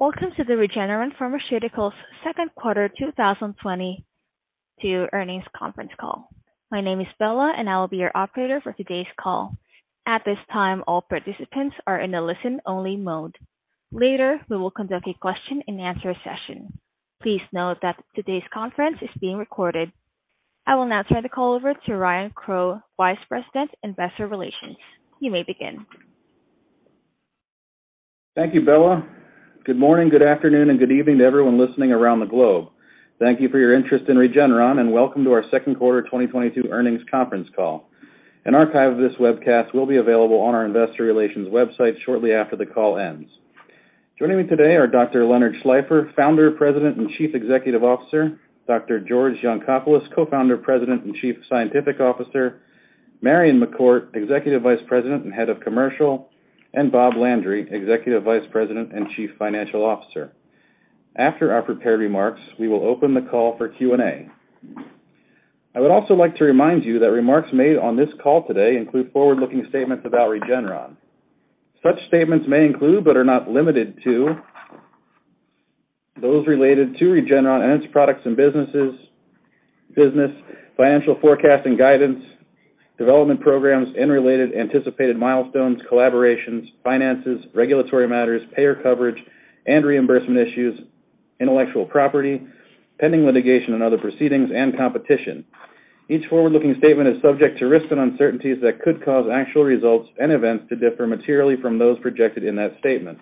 Welcome to the Regeneron Pharmaceuticals second quarter 2022 earnings conference call. My name is Bella and I will be your operator for today's call. At this time, all participants are in a listen-only mode. Later, we will conduct a question-and-answer session. Please note that today's conference is being recorded. I will now turn the call over to Ryan Crowe, Vice President, Investor Relations. You may begin. Thank you, Bella. Good morning, good afternoon, and good evening to everyone listening around the globe. Thank you for your interest in Regeneron and welcome to our second quarter 2022 earnings conference call. An archive of this webcast will be available on our investor relations website shortly after the call ends. Joining me today are Dr. Leonard Schleifer, Founder, President, and Chief Executive Officer, Dr. George Yancopoulos, Co-founder, President, and Chief Scientific Officer, Marion McCourt, Executive Vice President and Head of Commercial, and Bob Landry, Executive Vice President and Chief Financial Officer. After our prepared remarks, we will open the call for Q&A. I would also like to remind you that remarks made on this call today include forward-looking statements about Regeneron. Such statements may include, but are not limited to, those related to Regeneron and its products and businesses, business, financial forecast and guidance, development programs and related anticipated milestones, collaborations, finances, regulatory matters, payer coverage and reimbursement issues, intellectual property, pending litigation and other proceedings, and competition. Each forward-looking statement is subject to risks and uncertainties that could cause actual results and events to differ materially from those projected in that statement.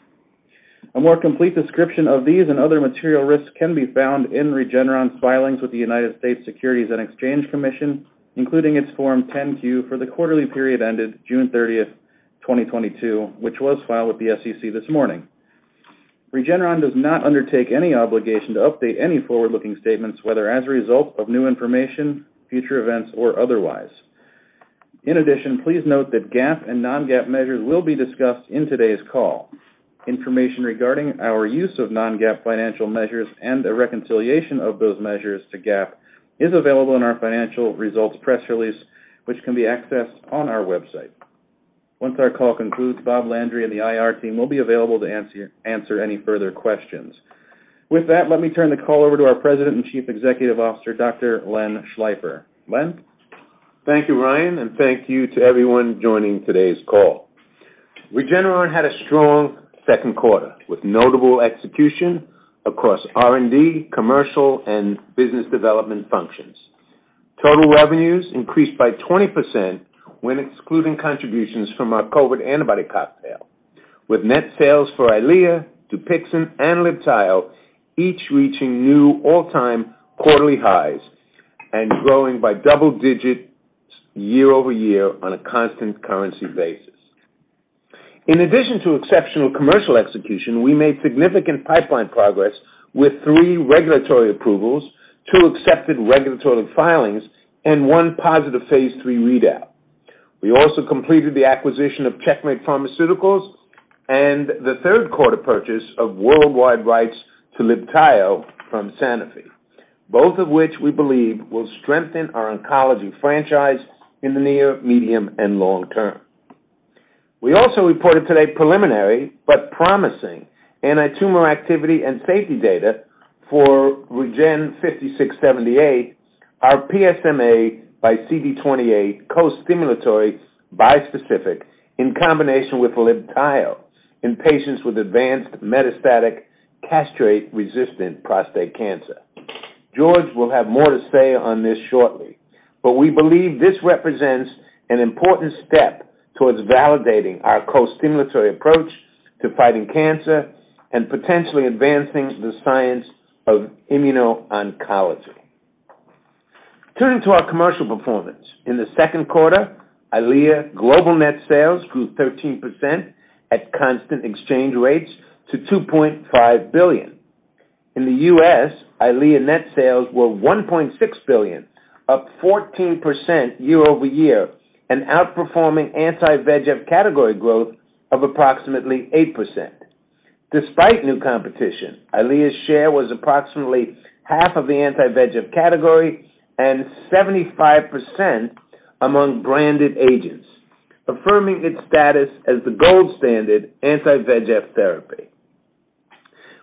A more complete description of these and other material risks can be found in Regeneron's filings with the United States Securities and Exchange Commission, including its Form 10-Q for the quarterly period ended June 30th, 2022, which was filed with the SEC this morning. Regeneron does not undertake any obligation to update any forward-looking statements, whether as a result of new information, future events, or otherwise. In addition, please note that GAAP and non-GAAP measures will be discussed in today's call. Information regarding our use of non-GAAP financial measures and a reconciliation of those measures to GAAP is available in our financial results press release, which can be accessed on our website. Once our call concludes, Bob Landry and the IR team will be available to answer any further questions. With that, let me turn the call over to our President and Chief Executive Officer, Dr. Len Schleifer. Len? Thank you, Ryan, and thank you to everyone joining today's call. Regeneron had a strong second quarter, with notable execution across R&D, commercial, and business development functions. Total revenues increased by 20% when excluding contributions from our COVID antibody cocktail, with net sales for EYLEA, DUPIXENT, and LIBTAYO each reaching new all-time quarterly highs and growing by double digits year-over-year on a constant currency basis. In addition to exceptional commercial execution, we made significant pipeline progress with three regulatory approvals, two accepted regulatory filings, and one positive phase III readout. We also completed the acquisition of Checkmate Pharmaceuticals and the third quarter purchase of worldwide rights to LIBTAYO from Sanofi, both of which we believe will strengthen our oncology franchise in the near, medium, and long term. We also reported today preliminary but promising antitumor activity and safety data for REGN5678, our PSMAxCD28 costimulatory bispecific in combination with LIBTAYO in patients with advanced metastatic castrate-resistant prostate cancer. George will have more to say on this shortly, but we believe this represents an important step towards validating our costimulatory approach to fighting cancer and potentially advancing the science of immuno-oncology. Turning to our commercial performance. In the second quarter, EYLEA global net sales grew 13% at constant exchange rates to $2.5 billion. In the U.S., EYLEA net sales were $1.6 billion, up 14% year-over-year and outperforming anti-VEGF category growth of approximately 8%. Despite new competition, EYLEA's share was approximately half of the anti-VEGF category and 75% among branded agents, affirming its status as the gold standard anti-VEGF therapy.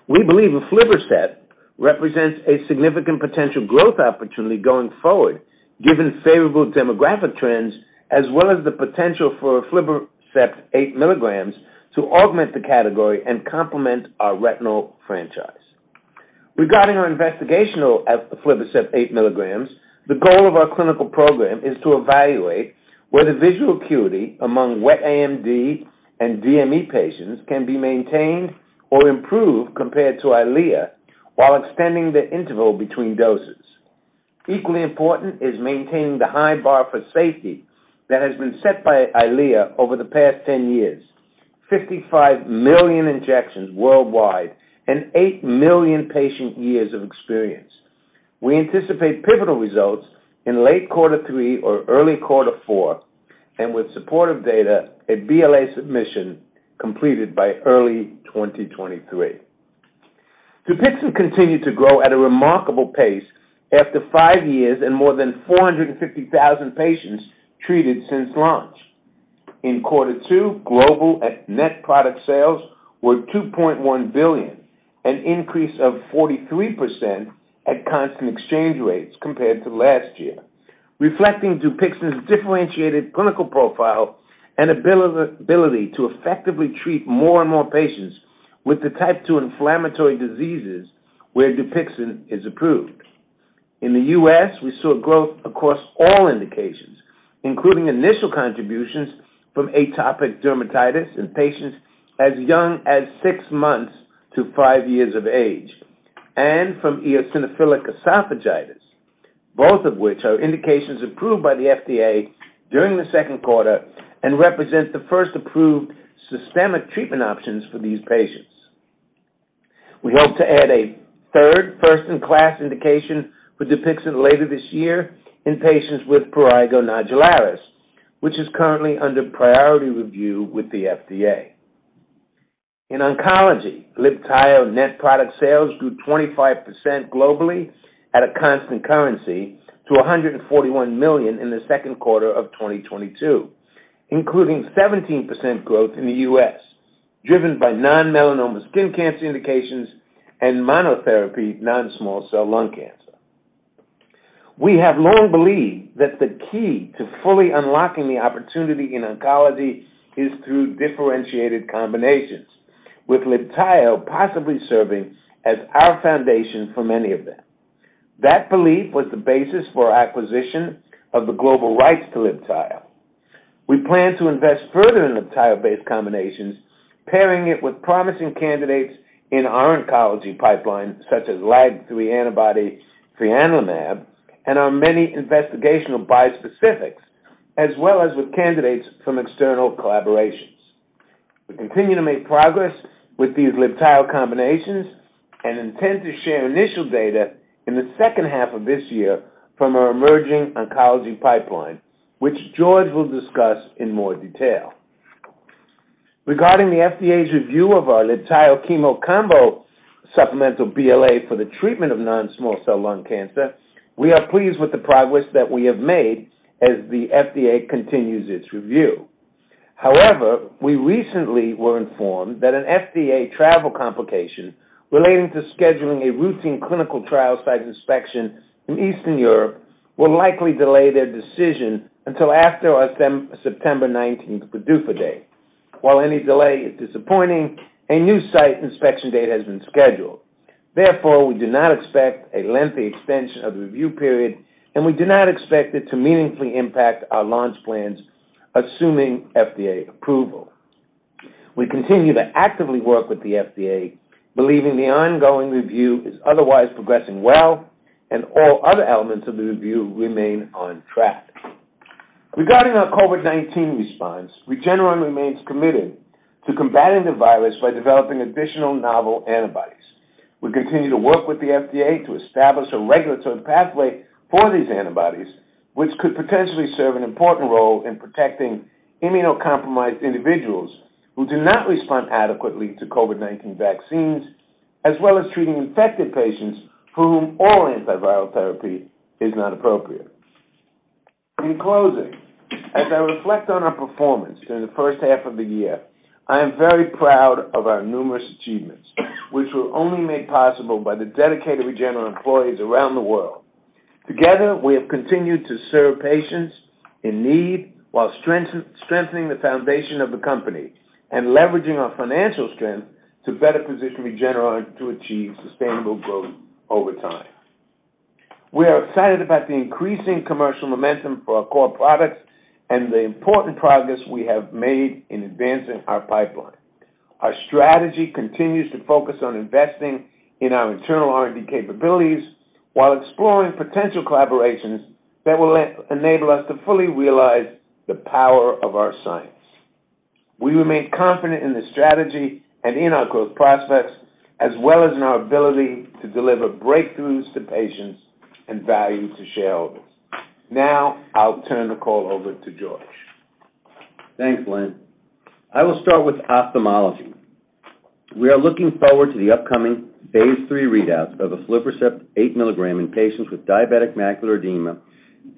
We believe aflibercept represents a significant potential growth opportunity going forward, given favorable demographic trends as well as the potential for aflibercept 8 mg to augment the category and complement our retinal franchise. Regarding our investigational aflibercept 8 mg, the goal of our clinical program is to evaluate whether visual acuity among wet AMD and DME patients can be maintained or improved compared to EYLEA while extending the interval between doses. Equally important is maintaining the high bar for safety that has been set by EYLEA over the past 10 years, 55 million injections worldwide and 8 million patient years of experience. We anticipate pivotal results in late quarter three or early quarter four, and with supportive data, a BLA submission completed by early 2023. DUPIXENT continued to grow at a remarkable pace after five years and more than 450,000 patients treated since launch. In quarter two, global DUPIXENT net product sales were $2.1 billion, an increase of 43% at constant exchange rates compared to last year, reflecting DUPIXENT's differentiated clinical profile and ability to effectively treat more and more patients with the type 2 inflammatory diseases where DUPIXENT is approved. In the U.S., we saw growth across all indications, including initial contributions from atopic dermatitis in patients as young as six months to five years of age, and from eosinophilic esophagitis, both of which are indications approved by the FDA during the second quarter and represent the first approved systemic treatment options for these patients. We hope to add a third first-in-class indication for DUPIXENT later this year in patients with prurigo nodularis, which is currently under priority review with the FDA. In oncology, LIBTAYO net product sales grew 25% globally at a constant currency to $141 million in the second quarter of 2022, including 17% growth in the U.S., driven by non-melanoma skin cancer indications and monotherapy non-small cell lung cancer. We have long believed that the key to fully unlocking the opportunity in oncology is through differentiated combinations, with LIBTAYO possibly serving as our foundation for many of them. That belief was the basis for our acquisition of the global rights to LIBTAYO. We plan to invest further in LIBTAYO-based combinations, pairing it with promising candidates in our oncology pipeline, such as LAG-3 antibody, fianlimab, and our many investigational bispecifics, as well as with candidates from external collaborations. We continue to make progress with these LIBTAYO combinations and intend to share initial data in the second half of this year from our emerging oncology pipeline, which George will discuss in more detail. Regarding the FDA's review of our LIBTAYO chemo combo supplemental BLA for the treatment of non-small cell lung cancer, we are pleased with the progress that we have made as the FDA continues its review. However, we recently were informed that an FDA travel complication relating to scheduling a routine clinical trial site inspection in Eastern Europe will likely delay their decision until after our September 19th PDUFA date. While any delay is disappointing, a new site inspection date has been scheduled. Therefore, we do not expect a lengthy extension of the review period, and we do not expect it to meaningfully impact our launch plans, assuming FDA approval. We continue to actively work with the FDA, believing the ongoing review is otherwise progressing well, and all other elements of the review remain on track. Regarding our COVID-19 response, Regeneron remains committed to combating the virus by developing additional novel antibodies. We continue to work with the FDA to establish a regulatory pathway for these antibodies, which could potentially serve an important role in protecting immunocompromised individuals who do not respond adequately to COVID-19 vaccines, as well as treating infected patients for whom oral antiviral therapy is not appropriate. In closing, as I reflect on our performance during the first half of the year, I am very proud of our numerous achievements, which were only made possible by the dedicated Regeneron employees around the world. Together, we have continued to serve patients in need while strengthening the foundation of the company and leveraging our financial strength to better position Regeneron to achieve sustainable growth over time. We are excited about the increasing commercial momentum for our core products and the important progress we have made in advancing our pipeline. Our strategy continues to focus on investing in our internal R&D capabilities while exploring potential collaborations that will enable us to fully realize the power of our science. We remain confident in this strategy and in our growth prospects, as well as in our ability to deliver breakthroughs to patients and value to shareholders. Now I'll turn the call over to George. Thanks, Len. I will start with ophthalmology. We are looking forward to the upcoming phase III readouts of aflibercept 8 mg in patients with diabetic macular edema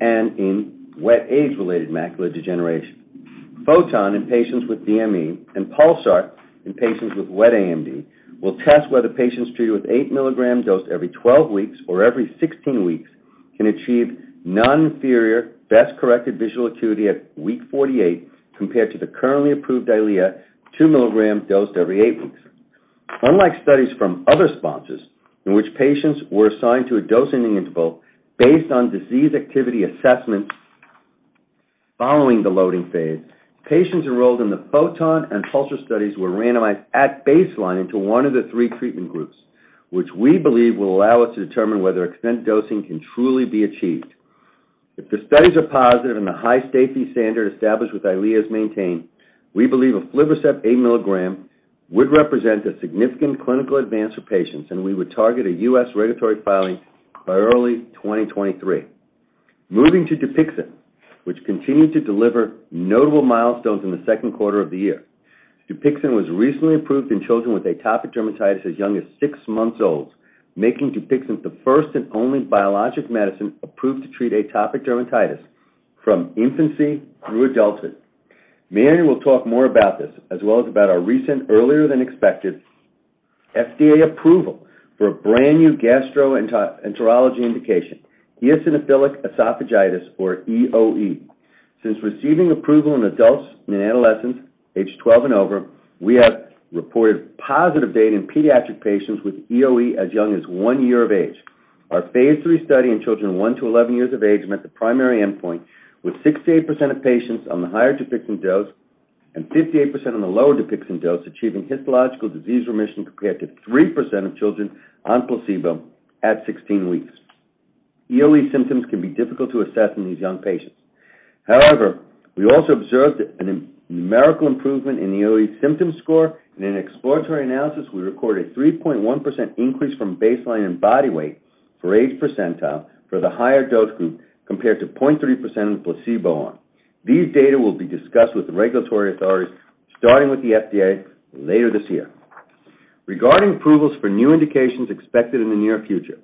and in wet age-related macular degeneration. PHOTON in patients with DME and PULSAR in patients with wet AMD will test whether patients treated with 8 mg dose every 12 weeks or every 16 weeks can achieve non-inferior best-corrected visual acuity at week 48 compared to the currently approved EYLEA 2 mg dosed every eight weeks. Unlike studies from other sponsors in which patients were assigned to a dosing interval based on disease activity assessments following the loading phase, patients enrolled in the PHOTON and PULSAR studies were randomized at baseline into one of the three treatment groups, which we believe will allow us to determine whether extended dosing can truly be achieved. If the studies are positive and the high safety standard established with EYLEA is maintained, we believe aflibercept 8 mg would represent a significant clinical advance for patients, and we would target a U.S. regulatory filing by early 2023. Moving to DUPIXENT, which continued to deliver notable milestones in the second quarter of the year. DUPIXENT was recently approved in children with atopic dermatitis as young as six months old, making DUPIXENT the first and only biologic medicine approved to treat atopic dermatitis from infancy through adulthood. Marion will talk more about this as well as about our recent earlier than expected FDA approval for a brand new gastroenterology indication, eosinophilic esophagitis or EoE. Since receiving approval in adults and in adolescents aged 12 and over, we have reported positive data in pediatric patients with EoE as young as one year of age. Our phase III study in children 1-11 years of age met the primary endpoint with 68% of patients on the higher DUPIXENT dose and 58% on the lower DUPIXENT dose achieving histological disease remission compared to 3% of children on placebo at 16 weeks. EoE symptoms can be difficult to assess in these young patients. However, we also observed a numerical improvement in EoE symptom score and in an exploratory analysis, we recorded 3.1% increase from baseline in body weight for age percentile for the higher dose group compared to 0.3% in the placebo arm. These data will be discussed with the regulatory authorities, starting with the FDA later this year. Regarding approvals for new indications expected in the near future.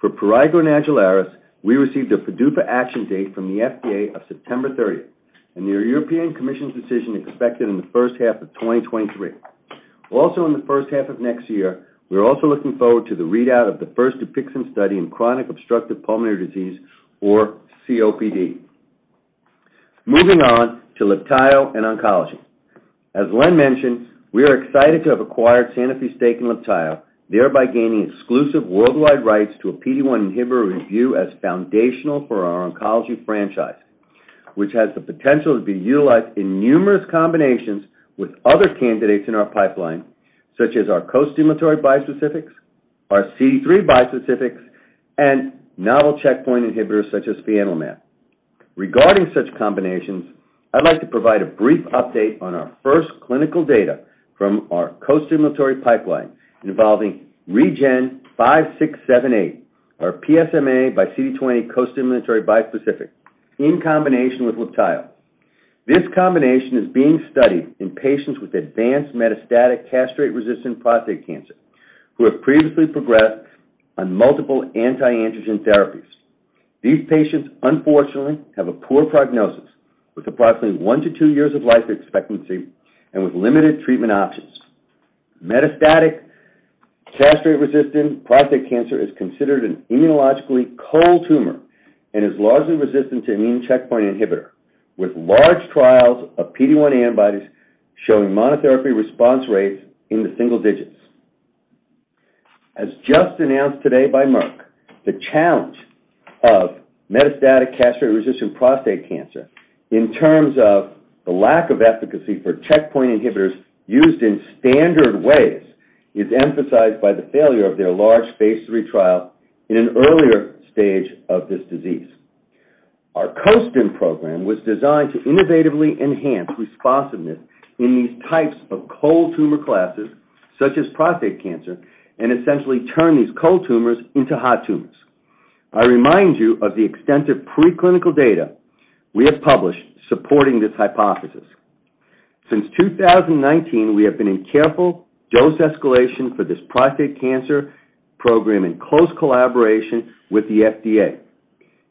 For prurigo nodularis, we received a PDUFA action date from the FDA of September 30th, and the European Commission's decision is expected in the first half of 2023. Also, in the first half of next year, we are also looking forward to the readout of the first DUPIXENT study in chronic obstructive pulmonary disease, or COPD. Moving on to LIBTAYO and oncology. As Len mentioned, we are excited to have acquired Sanofi stake in LIBTAYO, thereby gaining exclusive worldwide rights to a PD-1 inhibitor viewed as foundational for our oncology franchise, which has the potential to be utilized in numerous combinations with other candidates in our pipeline, such as our costimulatory bispecifics, our CD3 bispecifics, and novel checkpoint inhibitors such as fianlimab. Regarding such combinations, I'd like to provide a brief update on our first clinical data from our costimulatory pipeline involving REGN5678, or PSMAxCD28 costimulatory bispecific in combination with LIBTAYO. This combination is being studied in patients with advanced metastatic castrate-resistant prostate cancer who have previously progressed on multiple anti-androgen therapies. These patients, unfortunately, have a poor prognosis, with approximately 1-2 years of life expectancy and with limited treatment options. Metastatic castrate-resistant prostate cancer is considered an immunologically cold tumor and is largely resistant to immune checkpoint inhibitor, with large trials of PD-1 antibodies showing monotherapy response rates in the single digits. As just announced today by Merck, the challenge of metastatic castrate-resistant prostate cancer in terms of the lack of efficacy for checkpoint inhibitors used in standard ways is emphasized by the failure of their large phase III trial in an earlier stage of this disease. Our costim program was designed to innovatively enhance responsiveness in these types of cold tumor classes, such as prostate cancer, and essentially turn these cold tumors into hot tumors. I remind you of the extensive preclinical data we have published supporting this hypothesis. Since 2019, we have been in careful dose escalation for this prostate cancer program in close collaboration with the FDA.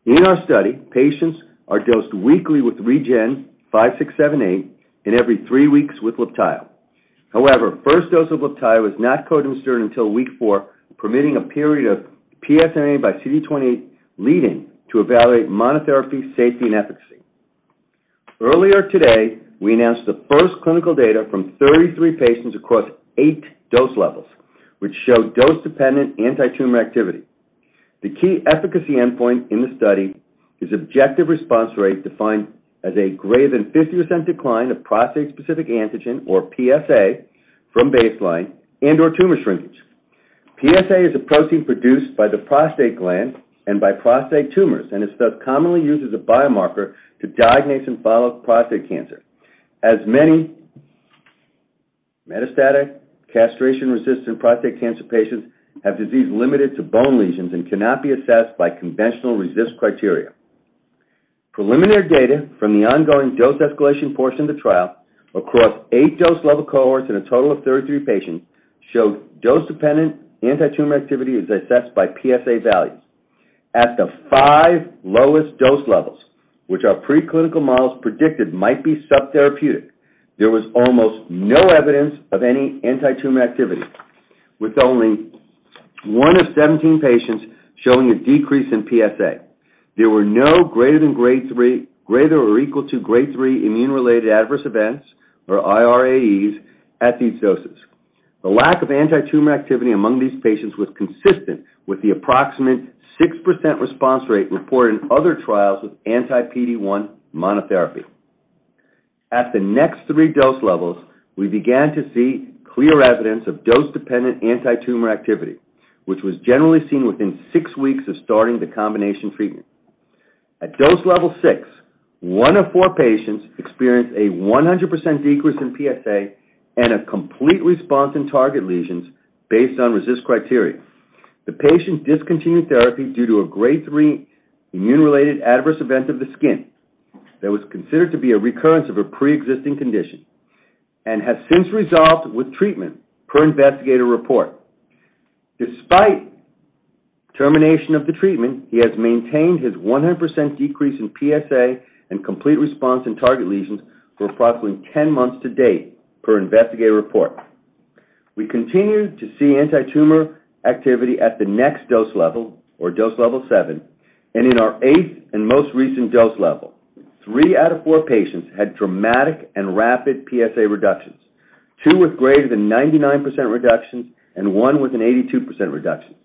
In our study, patients are dosed weekly with REGN5678 and every three weeks with LIBTAYO. However, first dose of LIBTAYO is not co-administered until week four, permitting a period of PSMAxCD28, leading to evaluate monotherapy safety and efficacy. Earlier today, we announced the first clinical data from 33 patients across 8 dose levels, which show dose-dependent antitumor activity. The key efficacy endpoint in the study is objective response rate defined as a greater than 50% decline of prostate-specific antigen or PSA from baseline and/or tumor shrinkage. PSA is a protein produced by the prostate gland and by prostate tumors, and is thus commonly used as a biomarker to diagnose and follow prostate cancer. As many metastatic castrate-resistant prostate cancer patients have disease limited to bone lesions and cannot be assessed by conventional RECIST criteria. Preliminary data from the ongoing dose escalation portion of the trial across eight dose-level cohorts in a total of 33 patients showed dose-dependent antitumor activity as assessed by PSA values. At the 5 lowest dose levels, which our preclinical models predicted might be subtherapeutic, there was almost no evidence of any antitumor activity, with only one of 17 patients showing a decrease in PSA. There were no greater or equal to Grade 3 immune-related adverse events, or irAEs, at these doses. The lack of antitumor activity among these patients was consistent with the approximate 6% response rate reported in other trials with anti-PD-1 monotherapy. At the next 3 dose levels, we began to see clear evidence of dose-dependent antitumor activity, which was generally seen within six weeks of starting the combination treatment. At dose level 6. One of four patients experienced a 100% decrease in PSA and a complete response in target lesions based on RECIST criteria. The patient discontinued therapy due to a Grade 3 immune-related adverse event of the skin that was considered to be a recurrence of a preexisting condition and has since resolved with treatment per investigator report. Despite termination of the treatment, he has maintained his 100% decrease in PSA and complete response in target lesions for approximately 10 months to date per investigator report. We continue to see antitumor activity at the next dose level or dose level 7 and in our 8th and most recent dose level. Three out of four patients had dramatic and rapid PSA reductions, two with greater than 99% reductions and one with an 82% reduction.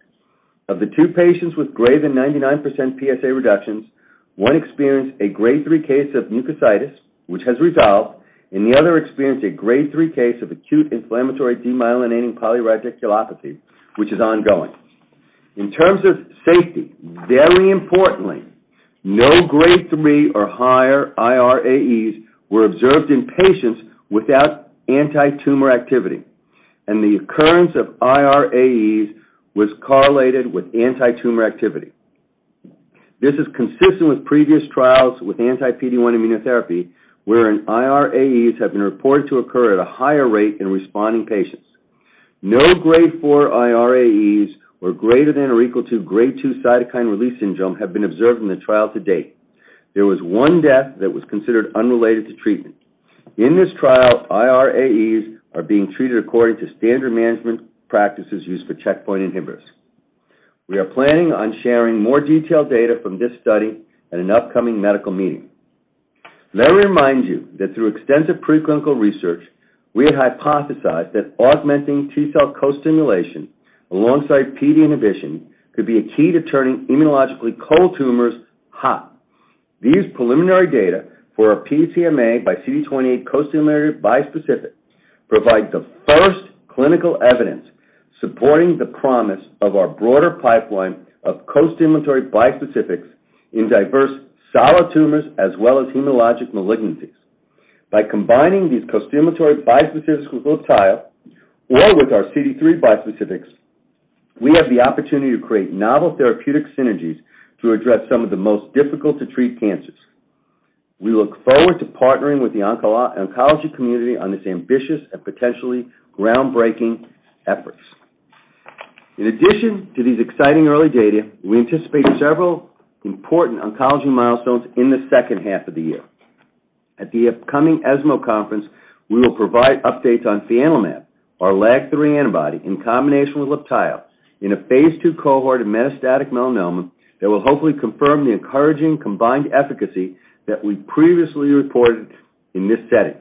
Of the two patients with greater than 99% PSA reductions, one experienced a Grade 3 case of mucositis, which has resolved, and the other experienced a Grade 3 case of acute inflammatory demyelinating polyradiculoneuropathy, which is ongoing. In terms of safety, very importantly, no Grade 3 or higher irAEs were observed in patients without antitumor activity, and the occurrence of irAEs was correlated with antitumor activity. This is consistent with previous trials with anti-PD-1 immunotherapy, wherein irAEs have been reported to occur at a higher rate in responding patients. No Grade 4 irAEs or greater than or equal to Grade 2 cytokine release syndrome have been observed in the trial to date. There was one death that was considered unrelated to treatment. In this trial, irAEs are being treated according to standard management practices used for checkpoint inhibitors. We are planning on sharing more detailed data from this study at an upcoming medical meeting. May I remind you that through extensive preclinical research, we had hypothesized that augmenting T-cell costimulation alongside PD inhibition could be a key to turning immunologically cold tumors hot. These preliminary data for our PSMAxCD28 costimulatory bispecific provide the first clinical evidence supporting the promise of our broader pipeline of costimulatory bispecifics in diverse solid tumors as well as hematologic malignancies. By combining these costimulatory bispecifics with LIBTAYO or with our CD3 bispecifics, we have the opportunity to create novel therapeutic synergies to address some of the most difficult to treat cancers. We look forward to partnering with the oncology community on this ambitious and potentially groundbreaking efforts. In addition to these exciting early data, we anticipate several important oncology milestones in the second half of the year. At the upcoming ESMO conference, we will provide updates on fianlimab, our LAG-3 antibody, in combination with LIBTAYO in a phase II cohort of metastatic melanoma that will hopefully confirm the encouraging combined efficacy that we previously reported in this setting.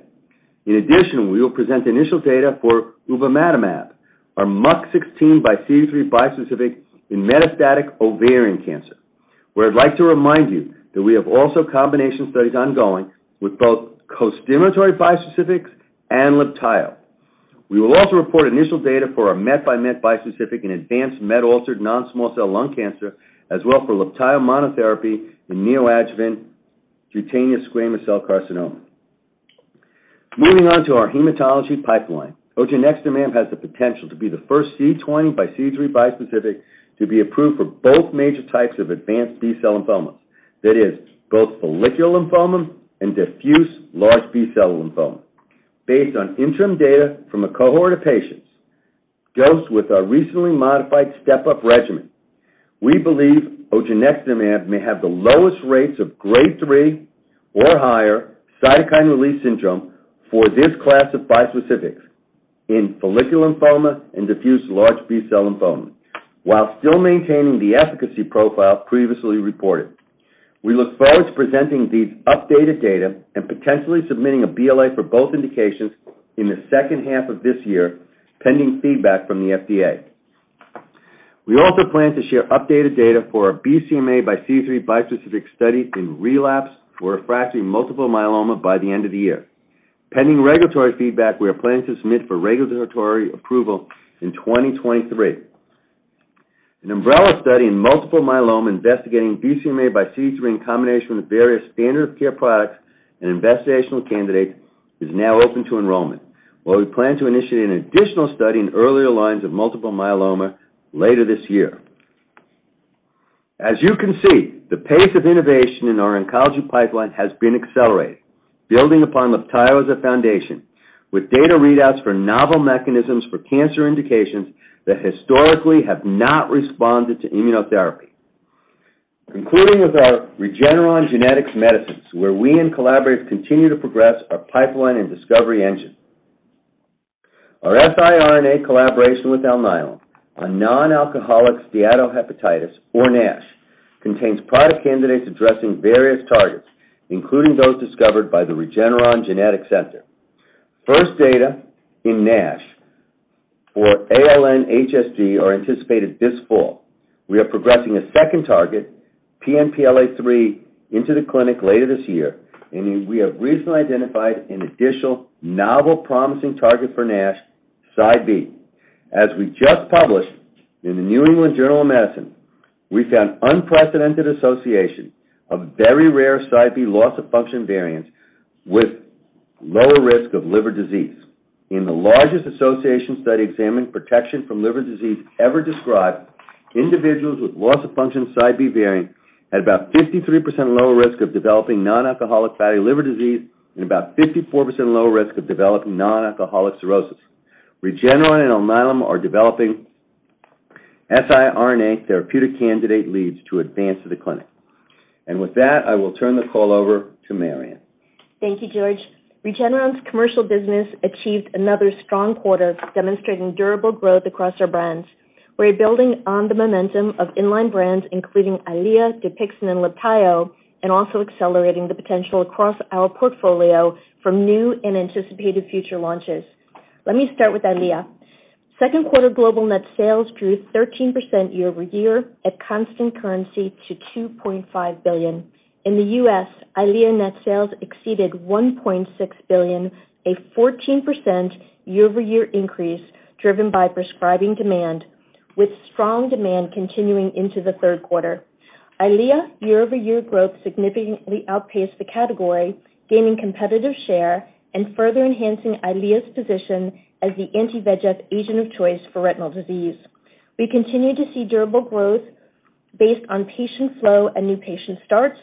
In addition, we will present initial data for ubamatamab, our MUC16xCD3 bispecific in metastatic ovarian cancer, where I'd like to remind you that we have also combination studies ongoing with both costimulatory bispecifics and LIBTAYO. We will also report initial data for our METxMET bispecific in advanced MET-altered non-small cell lung cancer, as well for LIBTAYO monotherapy in neoadjuvant cutaneous squamous cell carcinoma. Moving on to our hematology pipeline, odronextamab has the potential to be the first CD20xCD3 bispecific to be approved for both major types of advanced B-cell lymphomas, that is both follicular lymphoma and diffuse large B-cell lymphoma. Based on interim data from a cohort of patients dosed with our recently modified step-up regimen, we believe odronextamab may have the lowest rates of Grade 3 or higher cytokine release syndrome for this class of bispecifics in follicular lymphoma and diffuse large B-cell lymphoma while still maintaining the efficacy profile previously reported. We look forward to presenting these updated data and potentially submitting a BLA for both indications in the second half of this year, pending feedback from the FDA. We also plan to share updated data for our BCMAxCD3 bispecific study in relapsed or refractory multiple myeloma by the end of the year. Pending regulatory feedback, we are planning to submit for regulatory approval in 2023. An umbrella study in multiple myeloma investigating BCMAxCD3 in combination with various standard of care products and investigational candidates is now open to enrollment, while we plan to initiate an additional study in earlier lines of multiple myeloma later this year. As you can see, the pace of innovation in our oncology pipeline has been accelerated, building upon LIBTAYO as a foundation with data readouts for novel mechanisms for cancer indications that historically have not responded to immunotherapy. Concluding with our Regeneron Genetic Medicines, where we and collaborators continue to progress our pipeline and discovery engine. Our siRNA collaboration with Alnylam on non-alcoholic steatohepatitis, or NASH, contains product candidates addressing various targets, including those discovered by the Regeneron Genetics Center. First data in NASH for ALN-HSD are anticipated this fall. We are progressing a second target, PNPLA3, into the clinic later this year, and we have recently identified an additional novel promising target for NASH, CIDEB. As we just published in The New England Journal of Medicine, we found unprecedented association of very rare CIDEB loss of function variants with lower risk of liver disease. In the largest association study examining protection from liver disease ever described, individuals with loss of function CIDEB variant had about 53% lower risk of developing non-alcoholic fatty liver disease and about 54% lower risk of developing non-alcoholic cirrhosis. Regeneron and Alnylam are developing siRNA therapeutic candidate leads to advance to the clinic. With that, I will turn the call over to Marion. Thank you, George. Regeneron's commercial business achieved another strong quarter, demonstrating durable growth across our brands. We're building on the momentum of inline brands, including EYLEA, DUPIXENT, and LIBTAYO, and also accelerating the potential across our portfolio from new and anticipated future launches. Let me start with EYLEA. Second quarter global net sales grew 13% year-over-year at constant currency to $2.5 billion. In the U.S., EYLEA net sales exceeded $1.6 billion, a 14% year-over-year increase driven by prescribing demand, with strong demand continuing into the third quarter. EYLEA year-over-year growth significantly outpaced the category, gaining competitive share and further enhancing EYLEA's position as the anti-VEGF agent of choice for retinal disease. We continue to see durable growth based on patient flow and new patient starts.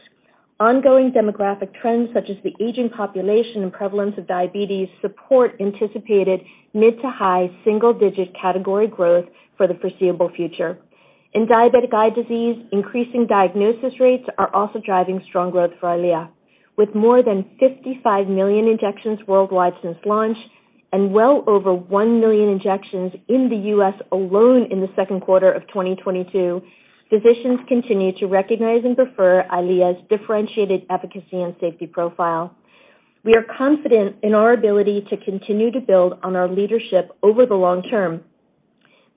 Ongoing demographic trends such as the aging population and prevalence of diabetes support anticipated mid- to high single-digit category growth for the foreseeable future. In diabetic eye disease, increasing diagnosis rates are also driving strong growth for EYLEA. With more than 55 million injections worldwide since launch and well over 1 million injections in the U.S. alone in the second quarter of 2022, physicians continue to recognize and prefer EYLEA's differentiated efficacy and safety profile. We are confident in our ability to continue to build on our leadership over the long term.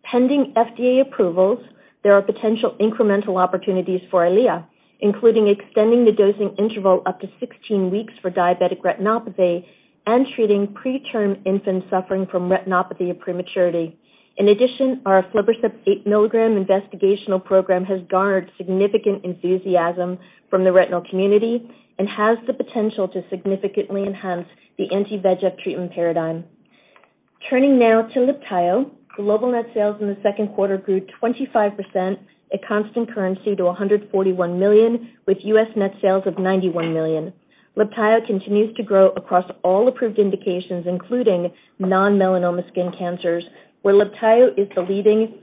Pending FDA approvals, there are potential incremental opportunities for EYLEA, including extending the dosing interval up to 16 weeks for diabetic retinopathy and treating preterm infants suffering from retinopathy of prematurity. In addition, our aflibercept eight milligram investigational program has garnered significant enthusiasm from the retinal community and has the potential to significantly enhance the anti-VEGF treatment paradigm. Turning now to LIBTAYO, global net sales in the second quarter grew 25% at constant currency to $141 million, with U.S. net sales of $91 million. LIBTAYO continues to grow across all approved indications, including non-melanoma skin cancers, where LIBTAYO is the leading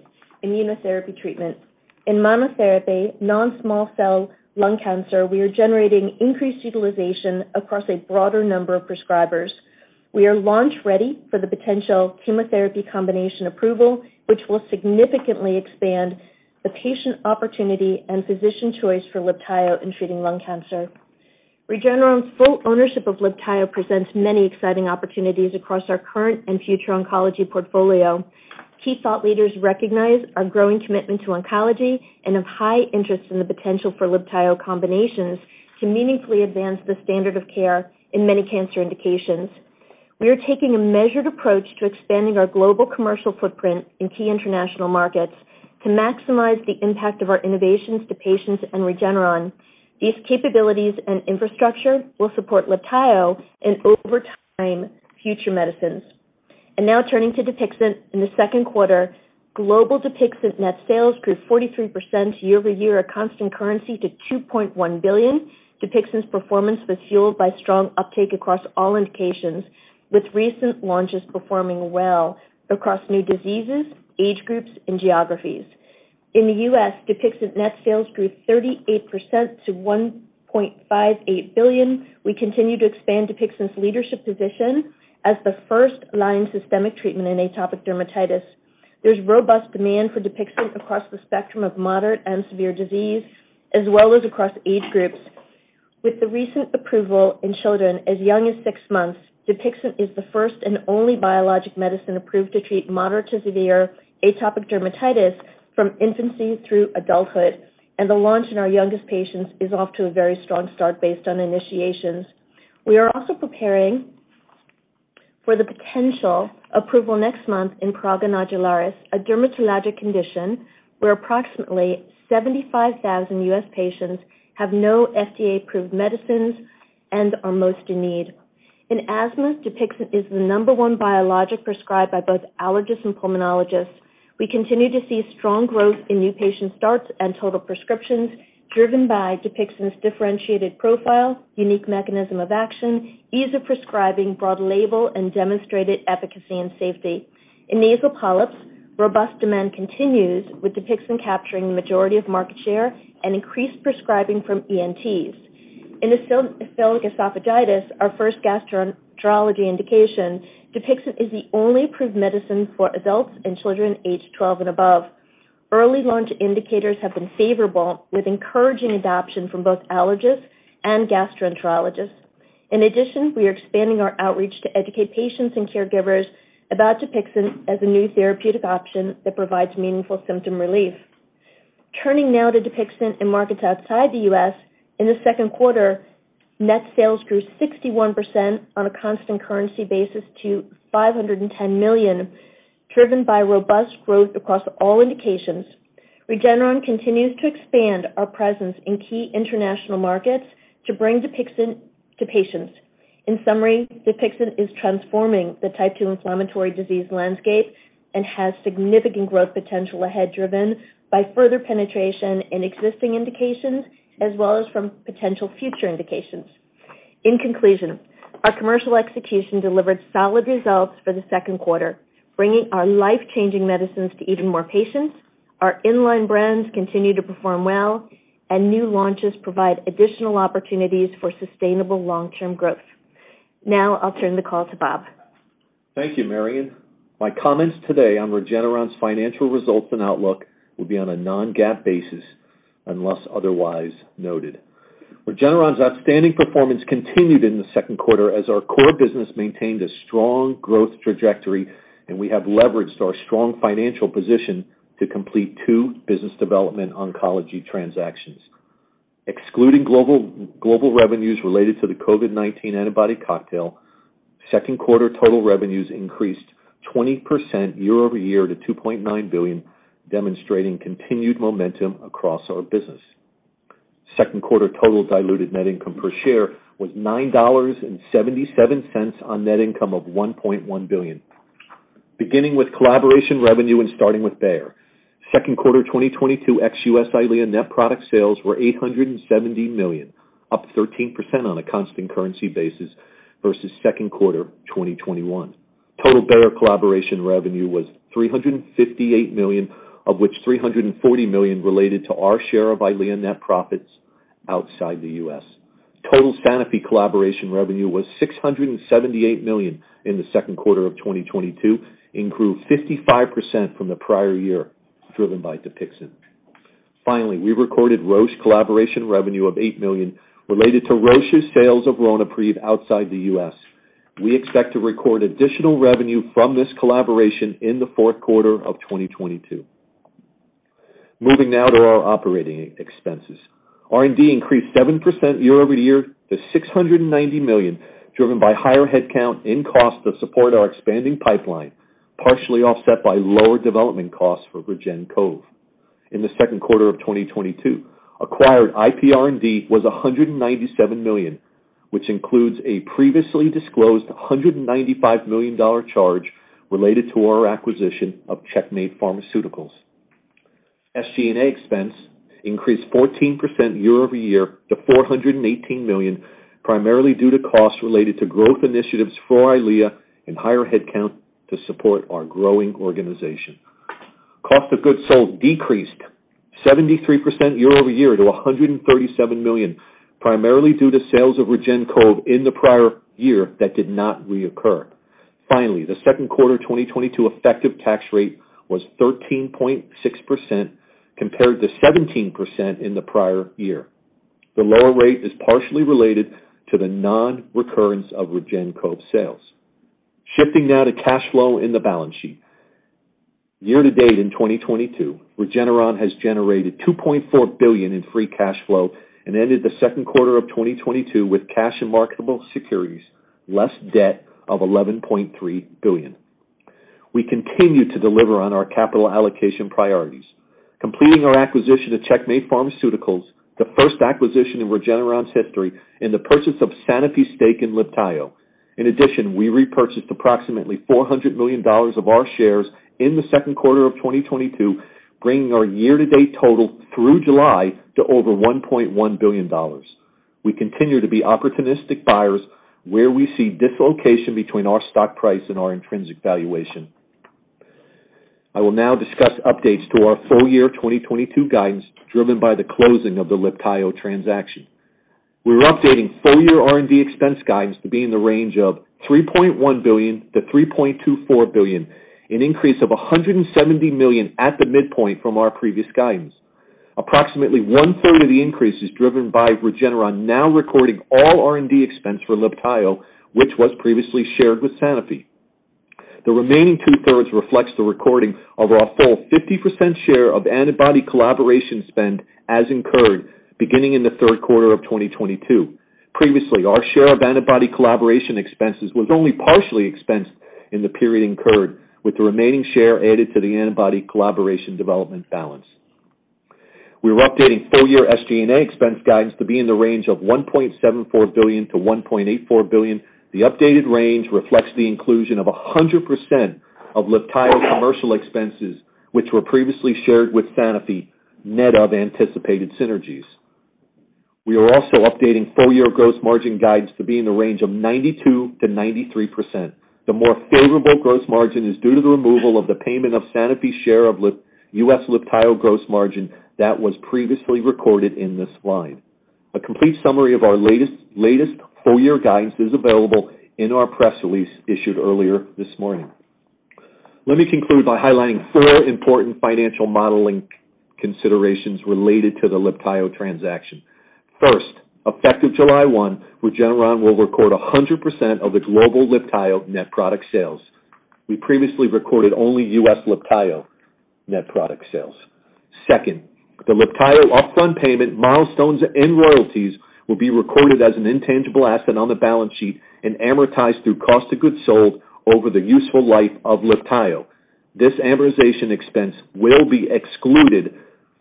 immunotherapy treatment. In monotherapy, non-small cell lung cancer, we are generating increased utilization across a broader number of prescribers. We are launch-ready for the potential chemotherapy combination approval, which will significantly expand the patient opportunity and physician choice for LIBTAYO in treating lung cancer. Regeneron's full ownership of LIBTAYO presents many exciting opportunities across our current and future oncology portfolio. Key thought leaders recognize our growing commitment to oncology and have high interest in the potential for LIBTAYO combinations to meaningfully advance the standard of care in many cancer indications. We are taking a measured approach to expanding our global commercial footprint in key international markets to maximize the impact of our innovations to patients and Regeneron. These capabilities and infrastructure will support LIBTAYO and over time, future medicines. Now turning to DUPIXENT in the second quarter, global DUPIXENT net sales grew 43% year-over-year at constant currency to $2.1 billion. DUPIXENT's performance was fueled by strong uptake across all indications, with recent launches performing well across new diseases, age groups, and geographies. In the U.S., DUPIXENT net sales grew 38% to $1.58 billion. We continue to expand DUPIXENT's leadership position as the first-line systemic treatment in atopic dermatitis. There's robust demand for DUPIXENT across the spectrum of moderate and severe disease as well as across age groups. With the recent approval in children as young as six months, DUPIXENT is the first and only biologic medicine approved to treat moderate to severe atopic dermatitis from infancy through adulthood, and the launch in our youngest patients is off to a very strong start based on initiations. We are also preparing for the potential approval next month in prurigo nodularis, a dermatologic condition where approximately 75,000 U.S. patients have no FDA-approved medicines and are most in need. In asthma, DUPIXENT is the number one biologic prescribed by both allergists and pulmonologists. We continue to see strong growth in new patient starts and total prescriptions driven by DUPIXENT's differentiated profile, unique mechanism of action, ease of prescribing, broad label, and demonstrated efficacy and safety. In nasal polyps, robust demand continues, with DUPIXENT capturing the majority of market share and increased prescribing from ENTs. In eosinophilic esophagitis, our first gastroenterology indication, DUPIXENT is the only approved medicine for adults and children aged 12 and above. Early launch indicators have been favorable, with encouraging adoption from both allergists and gastroenterologists. In addition, we are expanding our outreach to educate patients and caregivers about DUPIXENT as a new therapeutic option that provides meaningful symptom relief. Turning now to DUPIXENT in markets outside the U.S. In the second quarter, net sales grew 61% on a constant currency basis to $510 million, driven by robust growth across all indications. Regeneron continues to expand our presence in key international markets to bring DUPIXENT to patients. In summary, DUPIXENT is transforming the type two inflammatory disease landscape and has significant growth potential ahead, driven by further penetration in existing indications as well as from potential future indications. In conclusion, our commercial execution delivered solid results for the second quarter, bringing our life-changing medicines to even more patients. Our in-line brands continue to perform well, and new launches provide additional opportunities for sustainable long-term growth. Now I'll turn the call to Bob. Thank you, Marion. My comments today on Regeneron's financial results and outlook will be on a non-GAAP basis unless otherwise noted. Regeneron's outstanding performance continued in the second quarter as our core business maintained a strong growth trajectory, and we have leveraged our strong financial position to complete two business development oncology transactions. Excluding global revenues related to the COVID-19 antibody cocktail, second quarter total revenues increased 20% year-over-year to $2.9 billion, demonstrating continued momentum across our business. Second quarter total diluted net income per share was $9.77 on net income of $1.1 billion. Beginning with collaboration revenue and starting with Bayer. Second quarter 2022 ex-U.S. EYLEA net product sales were $870 million, up 13% on a constant currency basis versus second quarter 2021. Total Bayer collaboration revenue was $358 million, of which $340 million related to our share of EYLEA net profits outside the U.S. Total Sanofi collaboration revenue was $678 million in the second quarter of 2022, improved 55% from the prior year, driven by DUPIXENT. Finally, we recorded Roche collaboration revenue of $8 million related to Roche's sales of Ronapreve outside the U.S. We expect to record additional revenue from this collaboration in the fourth quarter of 2022. Moving now to our operating expenses. R&D increased 7% year-over-year to $690 million, driven by higher headcount and costs to support our expanding pipeline, partially offset by lower development costs for REGEN-COV. In the second quarter of 2022, acquired IPR&D was $197 million, which includes a previously disclosed $195 million charge related to our acquisition of Checkmate Pharmaceuticals. SG&A expense increased 14% year-over-year to $418 million, primarily due to costs related to growth initiatives for EYLEA and higher headcount to support our growing organization. Cost of goods sold decreased 73% year-over-year to $137 million, primarily due to sales of REGEN-COV in the prior year that did not reoccur. Finally, the second quarter 2022 effective tax rate was 13.6% compared to 17% in the prior year. The lower rate is partially related to the non-recurrence of REGEN-COV sales. Shifting now to cash flow in the balance sheet. Year to date in 2022, Regeneron has generated $2.4 billion in free cash flow and ended the second quarter of 2022 with cash and marketable securities less debt of $11.3 billion. We continue to deliver on our capital allocation priorities, completing our acquisition of Checkmate Pharmaceuticals, the first acquisition in Regeneron's history, and the purchase of Sanofi's stake in LIBTAYO. In addition, we repurchased approximately $400 million of our shares in the second quarter of 2022, bringing our year-to-date total through July to over $1.1 billion. We continue to be opportunistic buyers where we see dislocation between our stock price and our intrinsic valuation. I will now discuss updates to our full year 2022 guidance, driven by the closing of the LIBTAYO transaction. We're updating full year R&D expense guidance to be in the range of $3.1 billion-$3.24 billion, an increase of $170 million at the midpoint from our previous guidance. Approximately one-third of the increase is driven by Regeneron now recording all R&D expense for LIBTAYO, which was previously shared with Sanofi. The remaining two-thirds reflects the recording of our full 50% share of antibody collaboration spend as incurred beginning in the third quarter of 2022. Previously, our share of antibody collaboration expenses was only partially expensed in the period incurred, with the remaining share added to the antibody collaboration development balance. We're updating full year SG&A expense guidance to be in the range of $1.74 billion-$1.84 billion. The updated range reflects the inclusion of 100% of LIBTAYO commercial expenses, which were previously shared with Sanofi, net of anticipated synergies. We are also updating full-year gross margin guidance to be in the range of 92%-93%. The more favorable gross margin is due to the removal of the payment of Sanofi's share of U.S. LIBTAYO gross margin that was previously recorded in this slide. A complete summary of our latest full-year guidance is available in our press release issued earlier this morning. Let me conclude by highlighting four important financial modeling considerations related to the LIBTAYO transaction. First, effective July 1, Regeneron will record 100% of the global LIBTAYO net product sales. We previously recorded only U.S. LIBTAYO net product sales. Second, the LIBTAYO upfront payment milestones and royalties will be recorded as an intangible asset on the balance sheet and amortized through cost of goods sold over the useful life of LIBTAYO. This amortization expense will be excluded